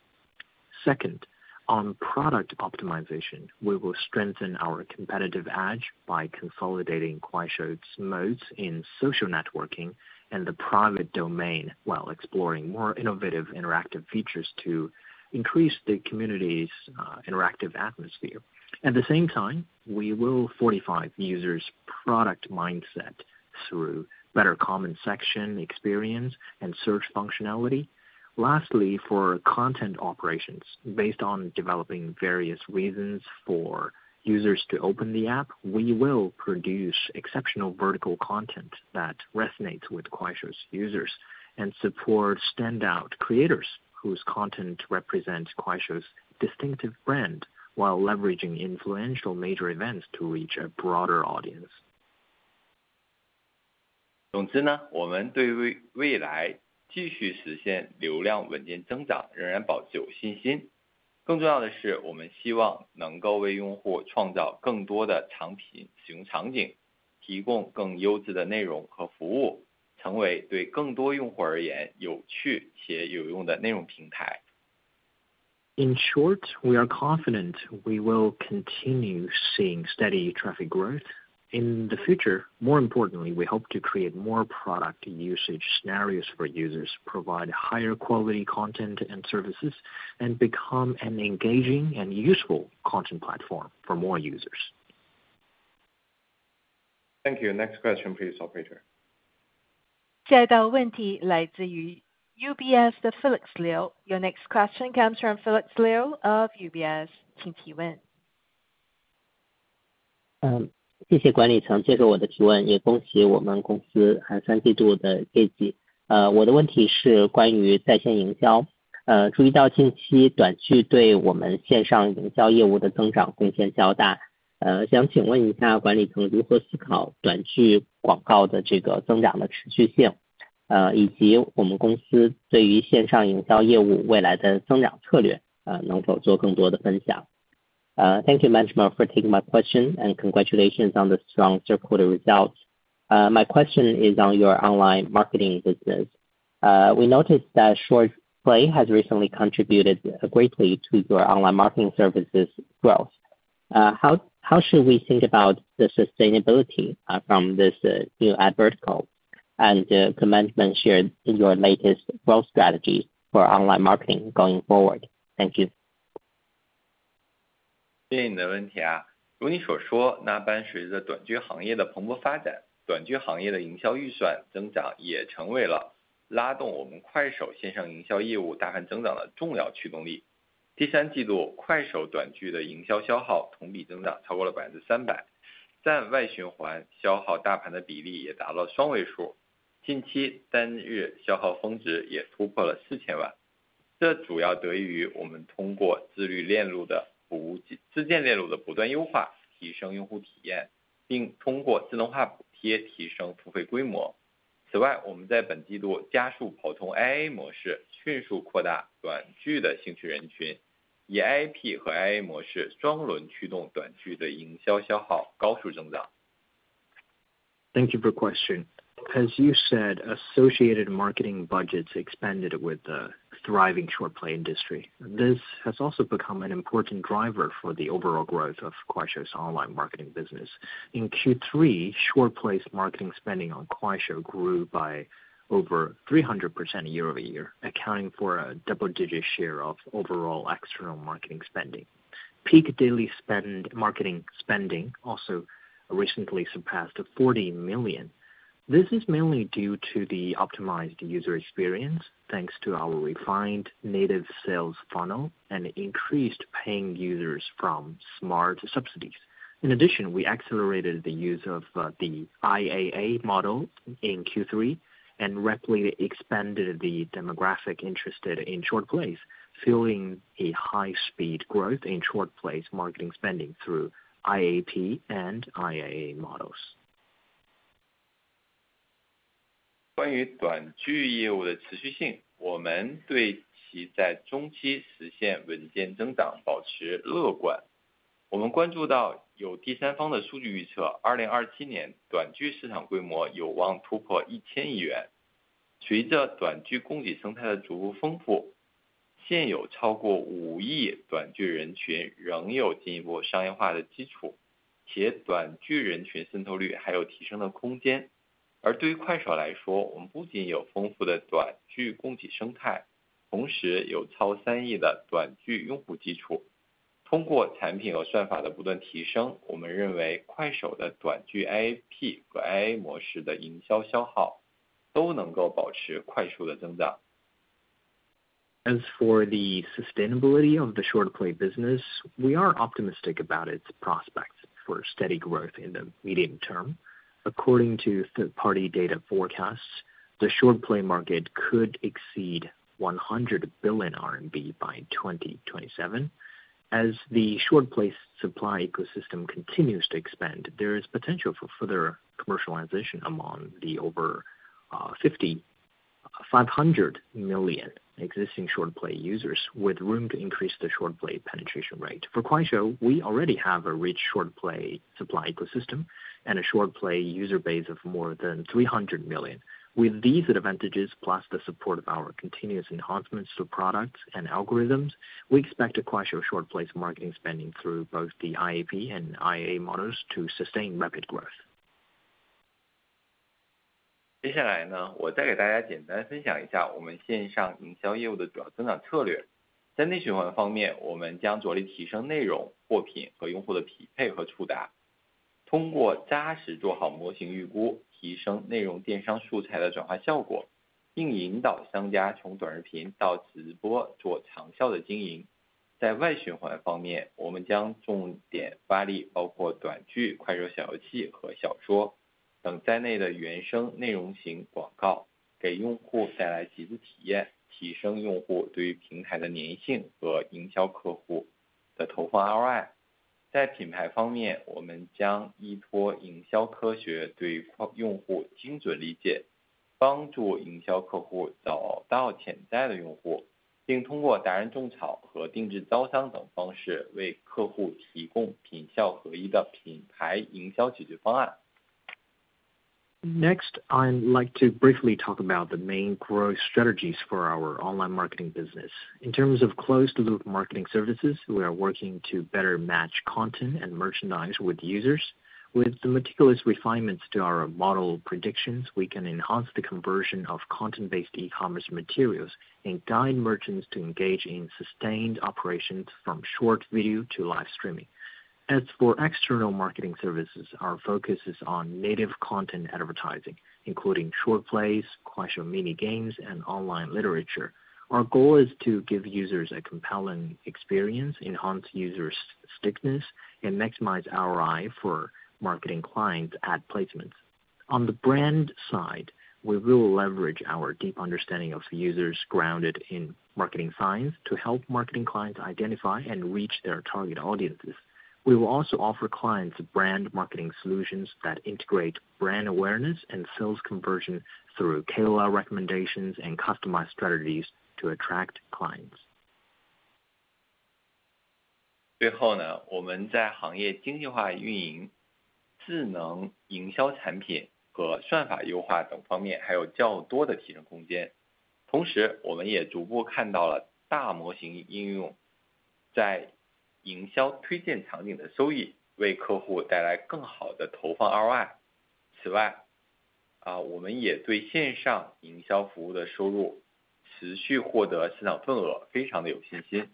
Second, on product optimization, we will strengthen our competitive edge by consolidating Kuaishou's moats in social networking and the private domain while exploring more innovative interactive features to increase the community's interactive atmosphere. At the same time, we will fortify users' product mindset through better comment section experience and search functionality. Lastly, for content operations, based on developing various reasons for users to open the app, we will produce exceptional vertical content that resonates with Kuaishou's users and support standout creators whose content represents Kuaishou's distinctive brand while leveraging influential major events to reach a broader audience. 总之呢，我们对未来继续实现流量稳定增长仍然保持有信心。更重要的是，我们希望能够为用户创造更多的产品使用场景，提供更优质的内容和服务，成为对更多用户而言有趣且有用的内容平台。In short, we are confident we will continue seeing steady traffic growth. In the future, more importantly, we hope to create more product usage scenarios for users, provide higher quality content and services, and become an engaging and useful content platform for more users. Thank you. Next question, please, Operator. 下一道问题来自于 UBS 的 Felix Liu。Your next question comes from Felix Liu of UBS. 请提问。Thank you, management, for taking my question, and congratulations on the strong Q3 results. My question is on your online marketing business. We noticed that Short Plays has recently contributed greatly to your online marketing services growth. How should we think about the sustainability from this new ad vertical and the commitment shared in your latest growth strategy for online marketing going forward? Thank you. 谢谢你的问题。如你所说，那伴随着短剧行业的蓬勃发展，短剧行业的营销预算增长也成为了拉动我们快手线上营销业务大盘增长的重要驱动力。第三季度快手短剧的营销消耗同比增长超过了 300%，但外循环消耗大盘的比例也达到了双位数。近期单日消耗峰值也突破了 4000 万。这主要得益于我们通过自律链路的服务、自建链路的不断优化，提升用户体验，并通过自动化补贴提升付费规模。此外，我们在本季度加速跑通 AIA 模式，迅速扩大短剧的兴趣人群，以 AIP 和 AIA 模式双轮驱动短剧的营销消耗高速增长。Thank you for the question. As you said, associated marketing budgets expanded with the thriving Short Play industry. This has also become an important driver for the overall growth of Kuaishou's online marketing business. In Q3, Short Play's marketing spending on Kuaishou grew by over 300% year over year, accounting for a double-digit share of overall external marketing spending. Peak daily marketing spending also recently surpassed 40 million. This is mainly due to the optimized user experience, thanks to our refined native sales funnel and increased paying users from smart subsidies. In addition, we accelerated the use of the IAA model in Q3 and rapidly expanded the demographic interested in Short Plays, fueling a high-speed growth in Short Play's marketing spending through IAP and IAA models. 关于短剧业务的持续性，我们对其在中期实现稳健增长保持乐观。我们关注到有第三方的数据预测，2027 年短剧市场规模有望突破 1000 亿元。随着短剧供给生态的逐步丰富，现有超过 5 亿短剧人群仍有进一步商业化的基础，且短剧人群渗透率还有提升的空间。而对于快手来说，我们不仅有丰富的短剧供给生态，同时有超 3 亿的短剧用户基础。通过产品和算法的不断提升，我们认为快手的短剧 IAP 和 IAA 模式的营销消耗都能够保持快速的增长。As for the sustainability of the Short Play business, we are optimistic about its prospects for steady growth in the medium term. According to third-party data forecasts, the Short Play market could exceed 100 billion RMB by 2027. As the Short Play supply ecosystem continues to expand, there is potential for further commercialization among the over 500 million existing Short Play users, with room to increase the Short Play penetration rate. For Kuaishou, we already have a rich Short Play supply ecosystem and a Short Play user base of more than 300 million. With these advantages, plus the support of our continuous enhancements to products and algorithms, we expect Kuaishou Short Plays' marketing spending through both the IAP and IAA models to sustain rapid growth. ROI。在品牌方面，我们将依托营销科学对于用户精准理解，帮助营销客户找到潜在的用户，并通过达人种草和定制招商等方式，为客户提供品效合一的品牌营销解决方案。Next, I'd like to briefly talk about the main growth strategies for our online marketing business. In terms of closed-loop marketing services, we are working to better match content and merchandise with users. With the meticulous refinements to our model predictions, we can enhance the conversion of content-based e-commerce materials and guide merchants to engage in sustained operations from short video to live streaming. As for external marketing services, our focus is on native content advertising, including Short Plays, Kuaishou mini games, and online literature. Our goal is to give users a compelling experience, enhance user stickiness, and maximize ROI for marketing clients at placements. On the brand side, we will leverage our deep understanding of users grounded in marketing science to help marketing clients identify and reach their target audiences. We will also offer clients brand marketing solutions that integrate brand awareness and sales conversion through KOL recommendations and customized strategies to attract clients. 最后呢，我们在行业精细化运营、智能营销产品和算法优化等方面还有较多的提升空间。同时，我们也逐步看到了大模型应用在营销推荐场景的收益，为客户带来更好的投放 ROI。此外，我们也对线上营销服务的收入持续获得市场份额，非常的有信心。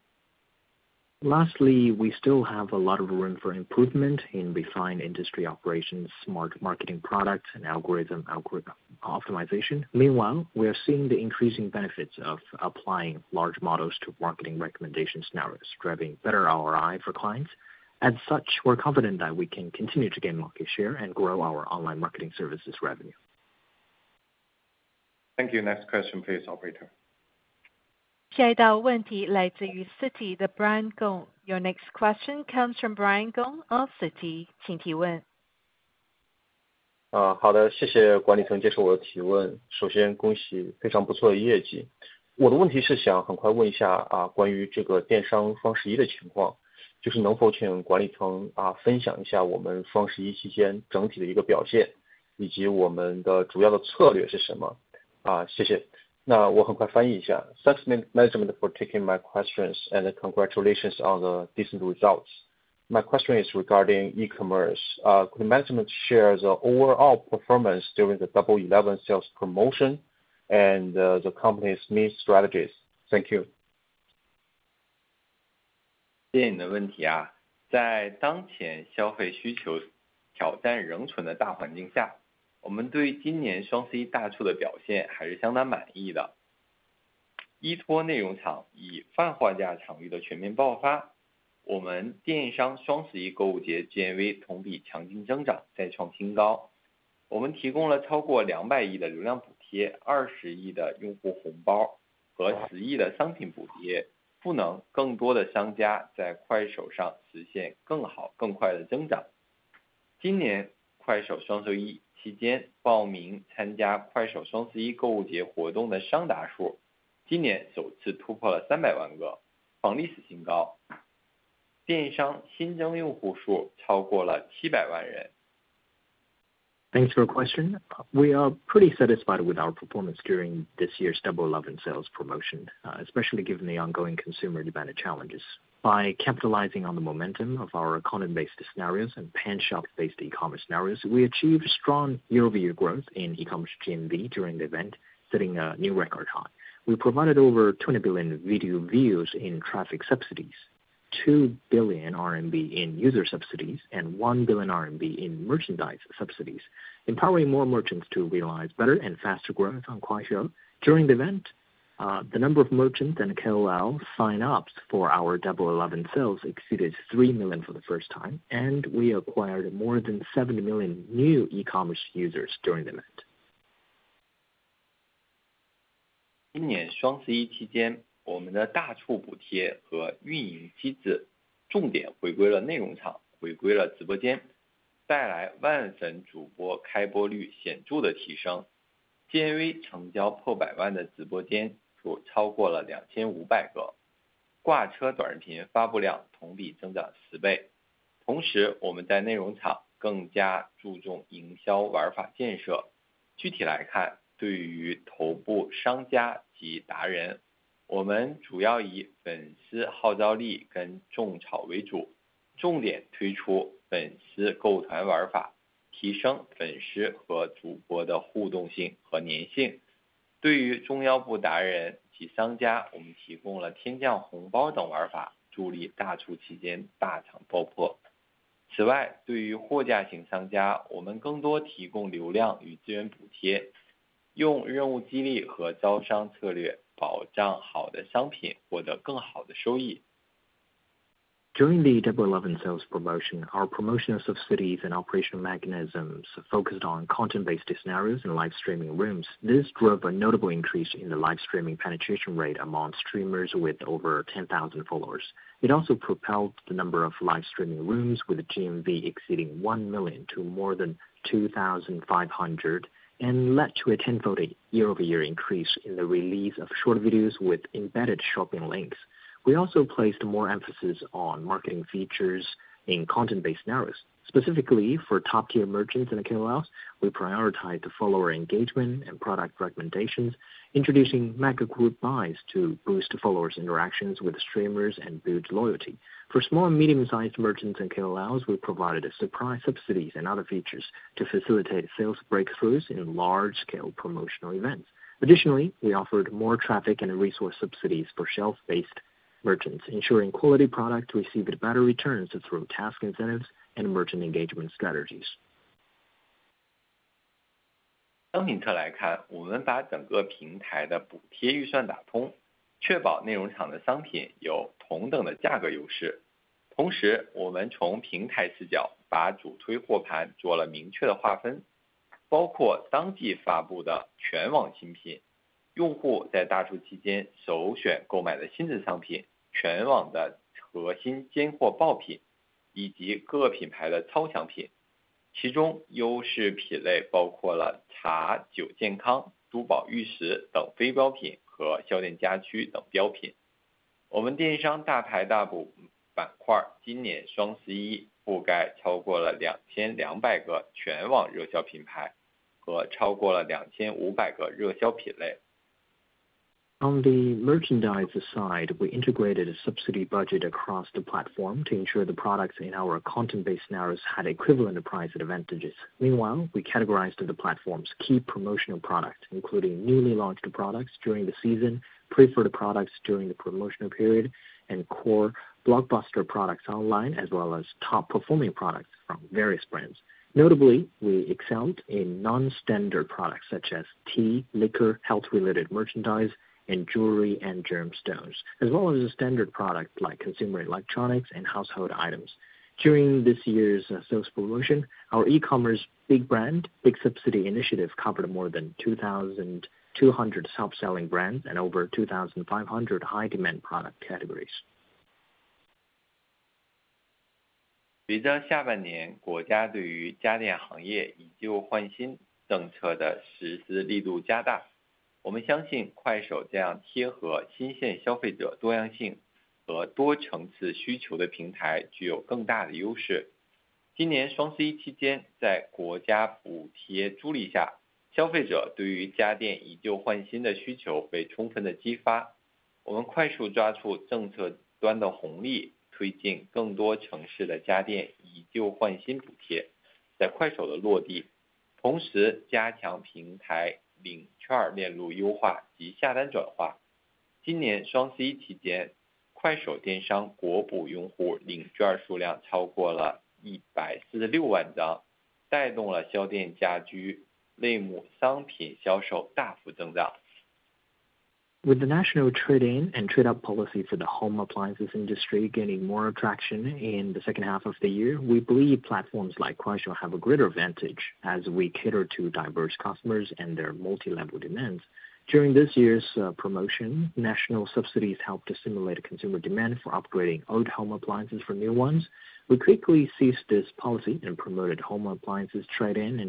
Lastly, we still have a lot of room for improvement in refined industry operations, smart marketing products, and algorithm optimization. Meanwhile, we are seeing the increasing benefits of applying large models to marketing recommendation scenarios, driving better ROI for clients. As such, we're confident that we can continue to gain market share and grow our online marketing services revenue. Thank you. Next question, please, Operator. 下一道问题来自于 Citi 的 Brian Gong。Your next question comes from Brian Gong of Citi. 请提问。好的，谢谢管理层接受我的提问。首先恭喜非常不错的业绩。我的问题是想很快问一下关于这个电商双十一的情况，就是能否请管理层分享一下我们双十一期间整体的一个表现，以及我们的主要的策略是什么。谢谢。那我很快翻译一下。Thanks Manchun for taking my questions and congratulations on the decent results. My question is regarding e-commerce. Could Manchun share the overall performance during the Double Eleven sales promotion and the company's main strategies? Thank you. 谢谢你的问题。在当前消费需求挑战仍存的大环境下，我们对今年双十一大促的表现还是相当满意的。依托内容生态与泛货架场域的全面爆发，我们电商双十一购物节 GMV 同比强劲增长，再创新高。我们提供了超过 200 亿的流量补贴、20 亿的用户红包和 10 亿的商品补贴，赋能更多的商家在快手上实现更好更快的增长。今年快手双十一期间报名参加快手双十一购物节活动的商家数量，今年首次突破了 300 万个，创历史新高。电商新增用户数超过了 700 万人。Thanks for the question. We are pretty satisfied with our performance during this year's Double Eleven sales promotion, especially given the ongoing consumer demand challenges. By capitalizing on the momentum of our content-based scenarios and pan-shelf-based e-commerce scenarios, we achieved strong year-over-year growth in e-commerce GMV during the event, setting a new record high. We provided over 20 billion video views in traffic subsidies, 2 billion RMB in user subsidies, and 1 billion RMB in merchandise subsidies, empowering more merchants to realize better and faster growth on Kuaishou. During the event, the number of merchants and KOL sign-ups for our Double Eleven sales exceeded 3 million for the first time, and we acquired more than 7 million new e-commerce users during the event. 今年双十一期间，我们的大促补贴和运营机制重点回归了内容厂，回归了直播间，带来万粉主播开播率显著的提升。GMV 成交破百万的直播间就超过了 2,500 个，挂车短视频发布量同比增长 10 During the Double Eleven sales promotion, our promotional subsidies and operational mechanisms focused on content-based scenarios and live streaming rooms. This drove a notable increase in the live streaming penetration rate among streamers with over 10,000 followers. It also propelled the number of live streaming rooms, with GMV exceeding 1 million to more than 2,500, and led to a 10-fold year-over-year increase in the release of short videos with embedded shopping links. We also placed more emphasis on marketing features in content-based scenarios. Specifically for top-tier merchants and KOLs, we prioritized follower engagement and product recommendations, introducing Mega Group Buy to boost followers' interactions with streamers and build loyalty. For small and medium-sized merchants and KOLs, we provided surprise subsidies and other features to facilitate sales breakthroughs in large-scale promotional events. Additionally, we offered more traffic and resource subsidies for shelf-based merchants, ensuring quality products received better returns through task incentives and merchant engagement strategies. On the merchandise side, we integrated a subsidy budget across the platform to ensure the products in our content-based scenarios had equivalent price advantages. Meanwhile, we categorized the platform's key promotional products, including newly launched products during the season, preferred products during the promotional period, and core blockbuster products online, as well as top-performing products from various brands. Notably, we excelled in non-standard products such as tea, liquor, health-related merchandise, and jewelry and gemstones, as well as standard products like consumer electronics and household items. Our e-commerce Big Brand Big Subsidy section this year's Double Eleven covered more than 2,200 hot-selling brands across the entire network and more than 2,500 hot-selling categories. During this year's sales promotion, our e-commerce Big Brand Big Subsidy initiative covered more than 2,200 top-selling brands and over 2,500 high-demand product categories. With the national trade-in policy for the home appliances industry gaining more traction in the second half of the year, we believe platforms like Kuaishou have a greater advantage as we cater to diverse customers and their multi-level demands. During this year's promotion, national subsidies helped to stimulate consumer demand for upgrading old home appliances for new ones. We quickly seized this policy and promoted home appliances trade-in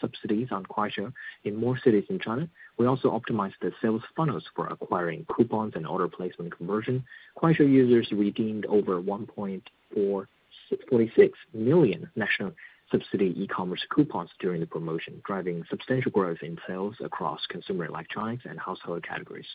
subsidies on Kuaishou in more cities in China. We also optimized the sales funnels for acquiring coupons and order placement conversion. Kuaishou users redeemed over 1.46 million national subsidy e-commerce coupons during the promotion, driving substantial growth in sales across consumer electronics and household categories.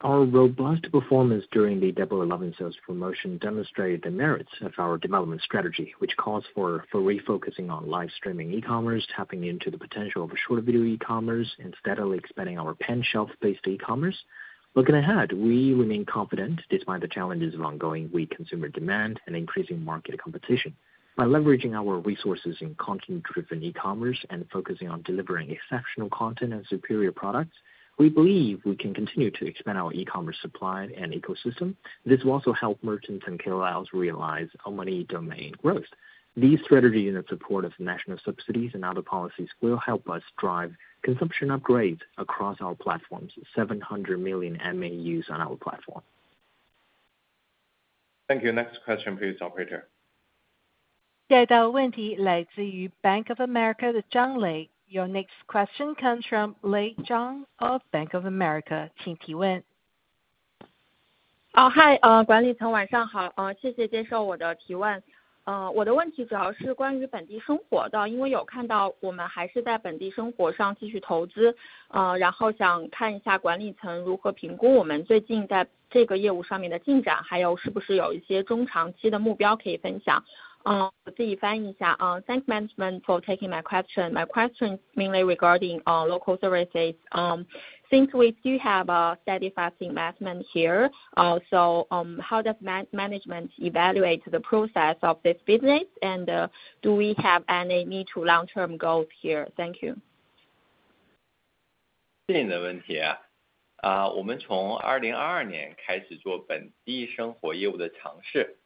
Our robust performance during the Double Eleven sales promotion demonstrated the merits of our development strategy, which calls for fully focusing on live streaming e-commerce, tapping into the potential of short video e-commerce, and steadily expanding our pan-shelf-based e-commerce. Looking ahead, we remain confident despite the challenges of ongoing weak consumer demand and increasing market competition. By leveraging our resources in content-driven e-commerce and focusing on delivering exceptional content and superior products, we believe we can continue to expand our e-commerce supply and ecosystem. This will also help merchants and KOLs realize full-domain growth. These strategies in support of national subsidies and other policies will help us drive consumption upgrades across our platforms, 700 million MAUs on our platform. Thank you. Next question, please, Operator. 下一道问题来自于 Bank of America 的 Lei Zhang。Your next question comes from Lei Zhang of Bank of America. 请提问。哦，嗨，管理层晚上好，谢谢接受我的提问。我的问题主要是关于本地生活的，因为有看到我们还是在本地生活上继续投资，然后想看一下管理层如何评估我们最近在这个业务上面的进展，还有是不是有一些中长期的目标可以分享。我自己翻译一下。Thank you, Manchun, for taking my question. My question is mainly regarding local services. Since we do have a steady fast investment here, so how does management evaluate the process of this business, and do we have any need to long-term goals here? Thank you. 谢谢你的问题。我们从 2022 年开始做本地生活业务的尝试，逐步探索和验证我们的用户有本地生活的需求，到 23 年年终开始做行业加区域化的运营，做大 GMV 和用户规模，再到今年尝试提高变现效率，甚至再到未来预期分层次盈利上岸，每一步都稳扎稳打。Thank you for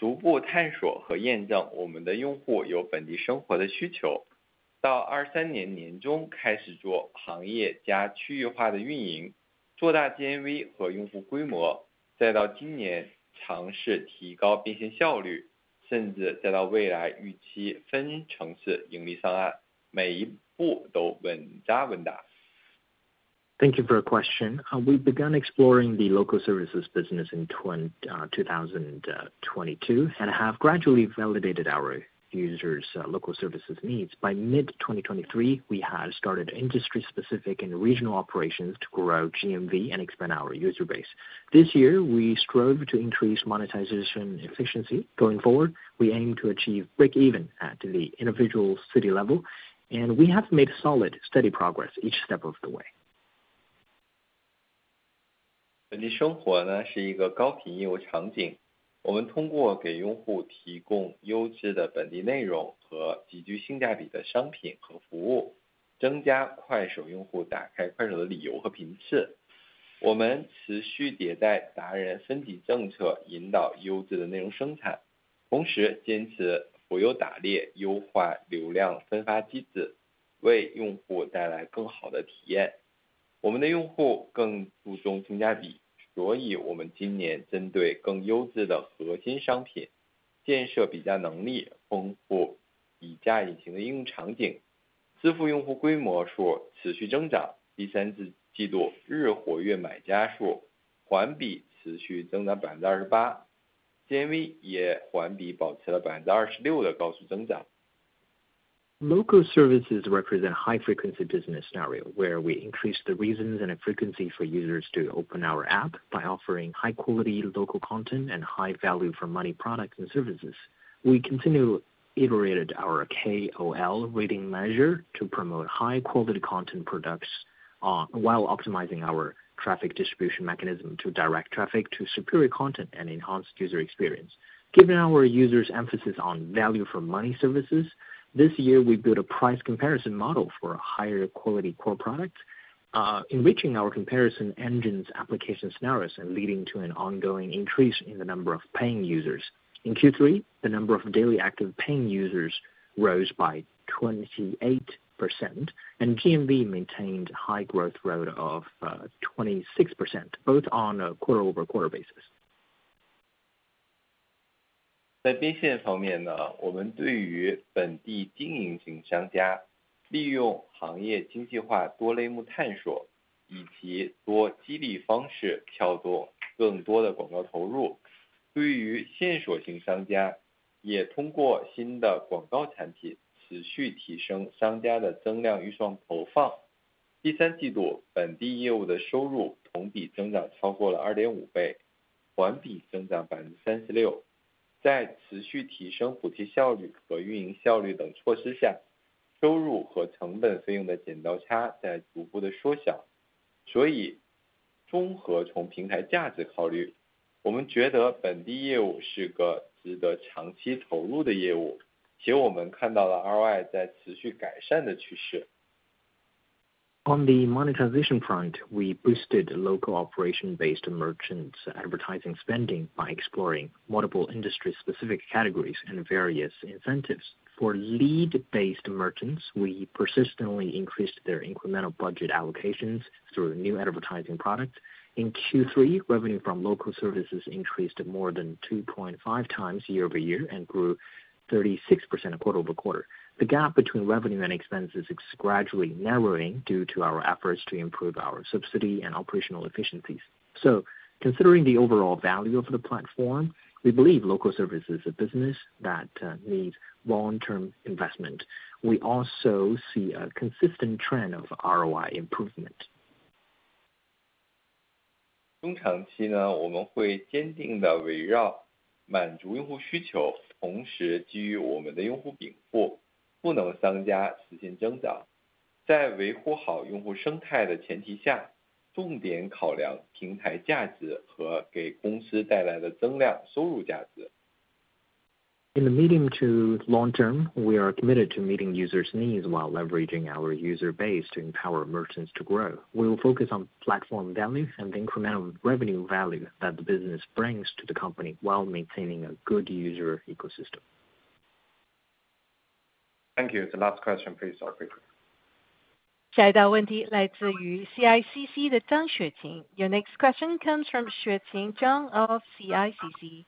the question. We've begun exploring the local services business in 2022 and have gradually validated our users' local services needs. By mid-2023, we had started industry-specific and regional operations to grow GMV and expand our user base. This year, we strove to increase monetization efficiency. Going forward, we aim to achieve break-even at the individual city level, and we have made solid, steady progress each step of the way. 28%。GMV 也环比保持了 26% 的高速增长。Local services represent a high-frequency business scenario, where we increase the reasons and frequency for users to open our app by offering high-quality local content and high-value-for-money products and services. We continue to iterate our KOL tiering policy to guide high-quality content production while persisting with the float and hunt approach, optimizing our traffic distribution mechanism to bring a better experience to users. Our users place more emphasis on value-for-money, so this year, we built richer price comparison capabilities and application scenarios for the price comparison engine targeting higher-quality core products. The scale of paying users continues to grow. In Q3, the number of daily active buyers rose 28% quarter-over-quarter. GMV also maintained a high growth rate of 26% quarter-over-quarter. 在这些方面呢，我们对于本地经营型商家，利用行业精细化多类目探索，以及多激励方式带动更多的广告投入。对于线索型商家，也通过新的广告产品持续提升商家的增量预算投放。第三季度本地业务的收入同比增长超过了 2.5 倍，环比增长 36%。在持续提升补贴效率和运营效率等措施下，收入和成本费用的剪刀差在逐步缩小。所以综合从平台价值考虑，我们觉得本地业务是个值得长期投入的业务，且我们看到了 ROI 在持续改善的趋势。On the monetization front, we boosted local operation-based merchants' advertising spending by exploring multiple industry-specific categories and various incentives. For lead-based merchants, we persistently increased their incremental budget allocations through new advertising products. In Q3, revenue from local services increased more than 2.5 times year-over-year and grew 36% quarter-over-quarter. The gap between revenue and expenses is gradually narrowing due to our efforts to improve our subsidy and operational efficiencies. So, considering the overall value of the platform, we believe local service is a business that needs long-term investment. We also see a consistent trend of ROI improvement. 中长期呢，我们会坚定地围绕满足用户需求，同时基于我们的用户禀赋，赋能商家实现增长。在维护好用户生态的前提下，重点考量平台价值和给公司带来的增量收入价值。In the medium to long term, we are committed to meeting users' needs while leveraging our user base to empower merchants to grow. We will focus on platform value and incremental revenue value that the business brings to the company while maintaining a good user ecosystem. Thank you. The last question, please, Operator. 下一道问题来自于 CICC 的张雪琴。Your next question comes from Xueqin Zhang of CICC.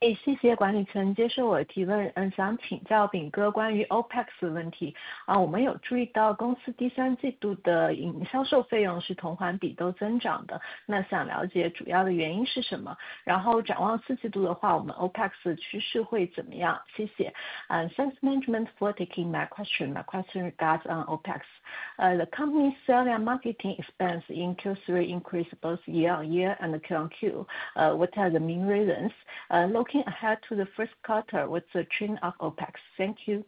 请提问。谢谢管理层接受我提问。想请教Bing哥关于 OpEx 问题。我们有注意到公司第三季度的营销售费用是同环比都增长的，那想了解主要的原因是什么？然后展望四季度的话，我们 OpEx 的趋势会怎么样？谢谢。Thanks, Bing, for taking my question. My question regards OpEx. The company's sales and marketing expense in Q3 increased both year-on-year and Q-on-Q. What are the main reasons? Looking ahead to the fourth quarter, what's the trend of OpEx? Thank you.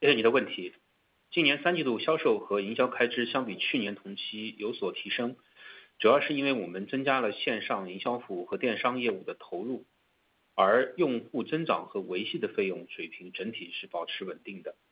谢谢你的问题。今年三季度销售和营销开支相比去年同期有所提升，主要是因为我们增加了线上营销服务和电商业务的投入，而用户增长和维系的费用水平整体是保持稳定的。线上营销服务的投入呢，主要与付费短剧的用户补贴有关。我们以 ROI 为补贴投入的前提，提升了短剧付费用户规模的同时，撬动了几倍于用户补贴金额的客户营销投放预算。我们预计随着用户付费短剧新制的形成以及智能化补贴方案的优化，ROI 还会进一步提升。电商投入呢，主要与用户补贴有关。当然，我们仍然保持相对谨慎的投入。因此，虽然我们的电商补贴金额绝对值有所提升，但补贴金额占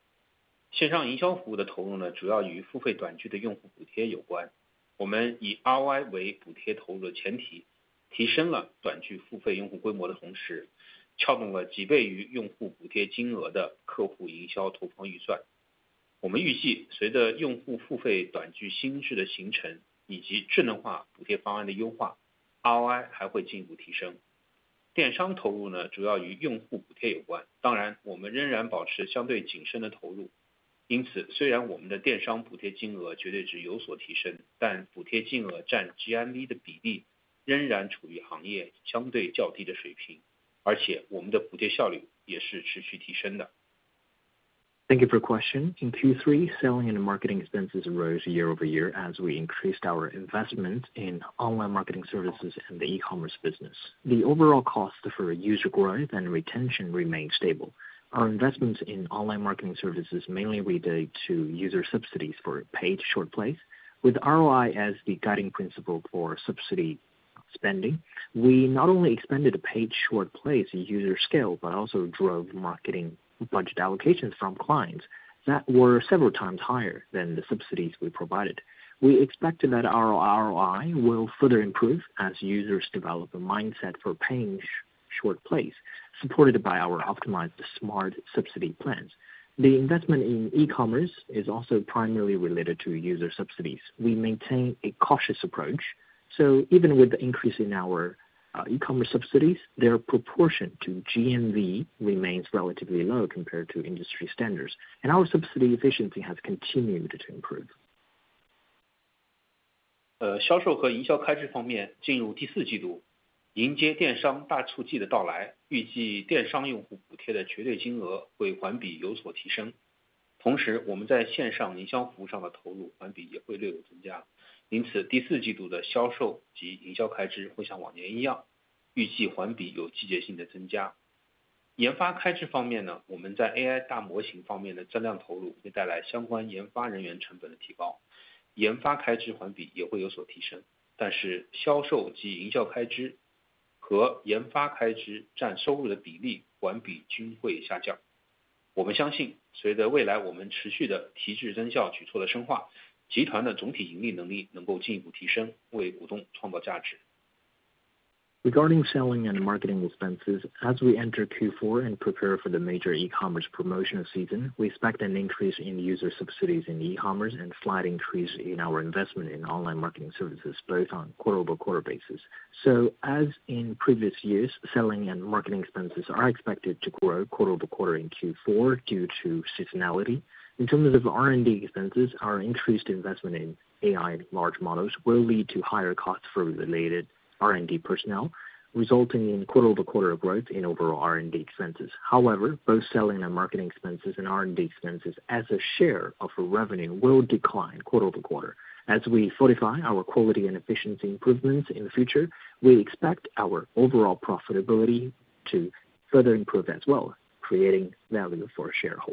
GMV 的比例仍然处于行业相对较低的水平，而且我们的补贴效率也是持续提升的。Thank you for the question. In Q3, selling and marketing expenses rose year-over-year as we increased our investment in online marketing services and the e-commerce business. The overall cost for user growth and retention remained stable. Our investments in online marketing services mainly relate to user subsidies for paid short plays. With ROI as the guiding principle for subsidy spending, we not only expanded the paid short plays user scale, but also drove marketing budget allocations from clients that were several times higher than the subsidies we provided. We expect that our ROI will further improve as users develop a mindset for paying short plays, supported by our optimized smart subsidy plans. The investment in e-commerce is also primarily related to user subsidies. We maintain a cautious approach, so even with the increase in our e-commerce subsidies, their proportion to GMV remains relatively low compared to industry standards, and our subsidy efficiency has continued to improve. 销售和营销开支方面，进入第四季度，迎接电商大促季的到来，预计电商用户补贴的绝对金额会环比有所提升。同时，我们在线上营销服务上的投入环比也会略有增加。因此，第四季度的销售及营销开支会像往年一样，预计环比有季节性的增加。研发开支方面呢，我们在 AI Regarding selling and marketing expenses, as we enter Q4 and prepare for the major e-commerce promotion season, we expect an increase in user subsidies in e-commerce and a slight increase in our investment in online marketing services, both on quarter-over-quarter basis. As in previous years, selling and marketing expenses are expected to grow quarter-over-quarter in Q4 due to seasonality. In terms of R&D expenses, our increased investment in AI large models will lead to higher costs for related R&D personnel, resulting in quarter-over-quarter growth in overall R&D expenses. However, both selling and marketing expenses and R&D expenses as a share of revenue will decline quarter-over-quarter. As we fortify our quality and efficiency improvements in the future, we expect our overall profitability to further improve as well, creating value for a share of.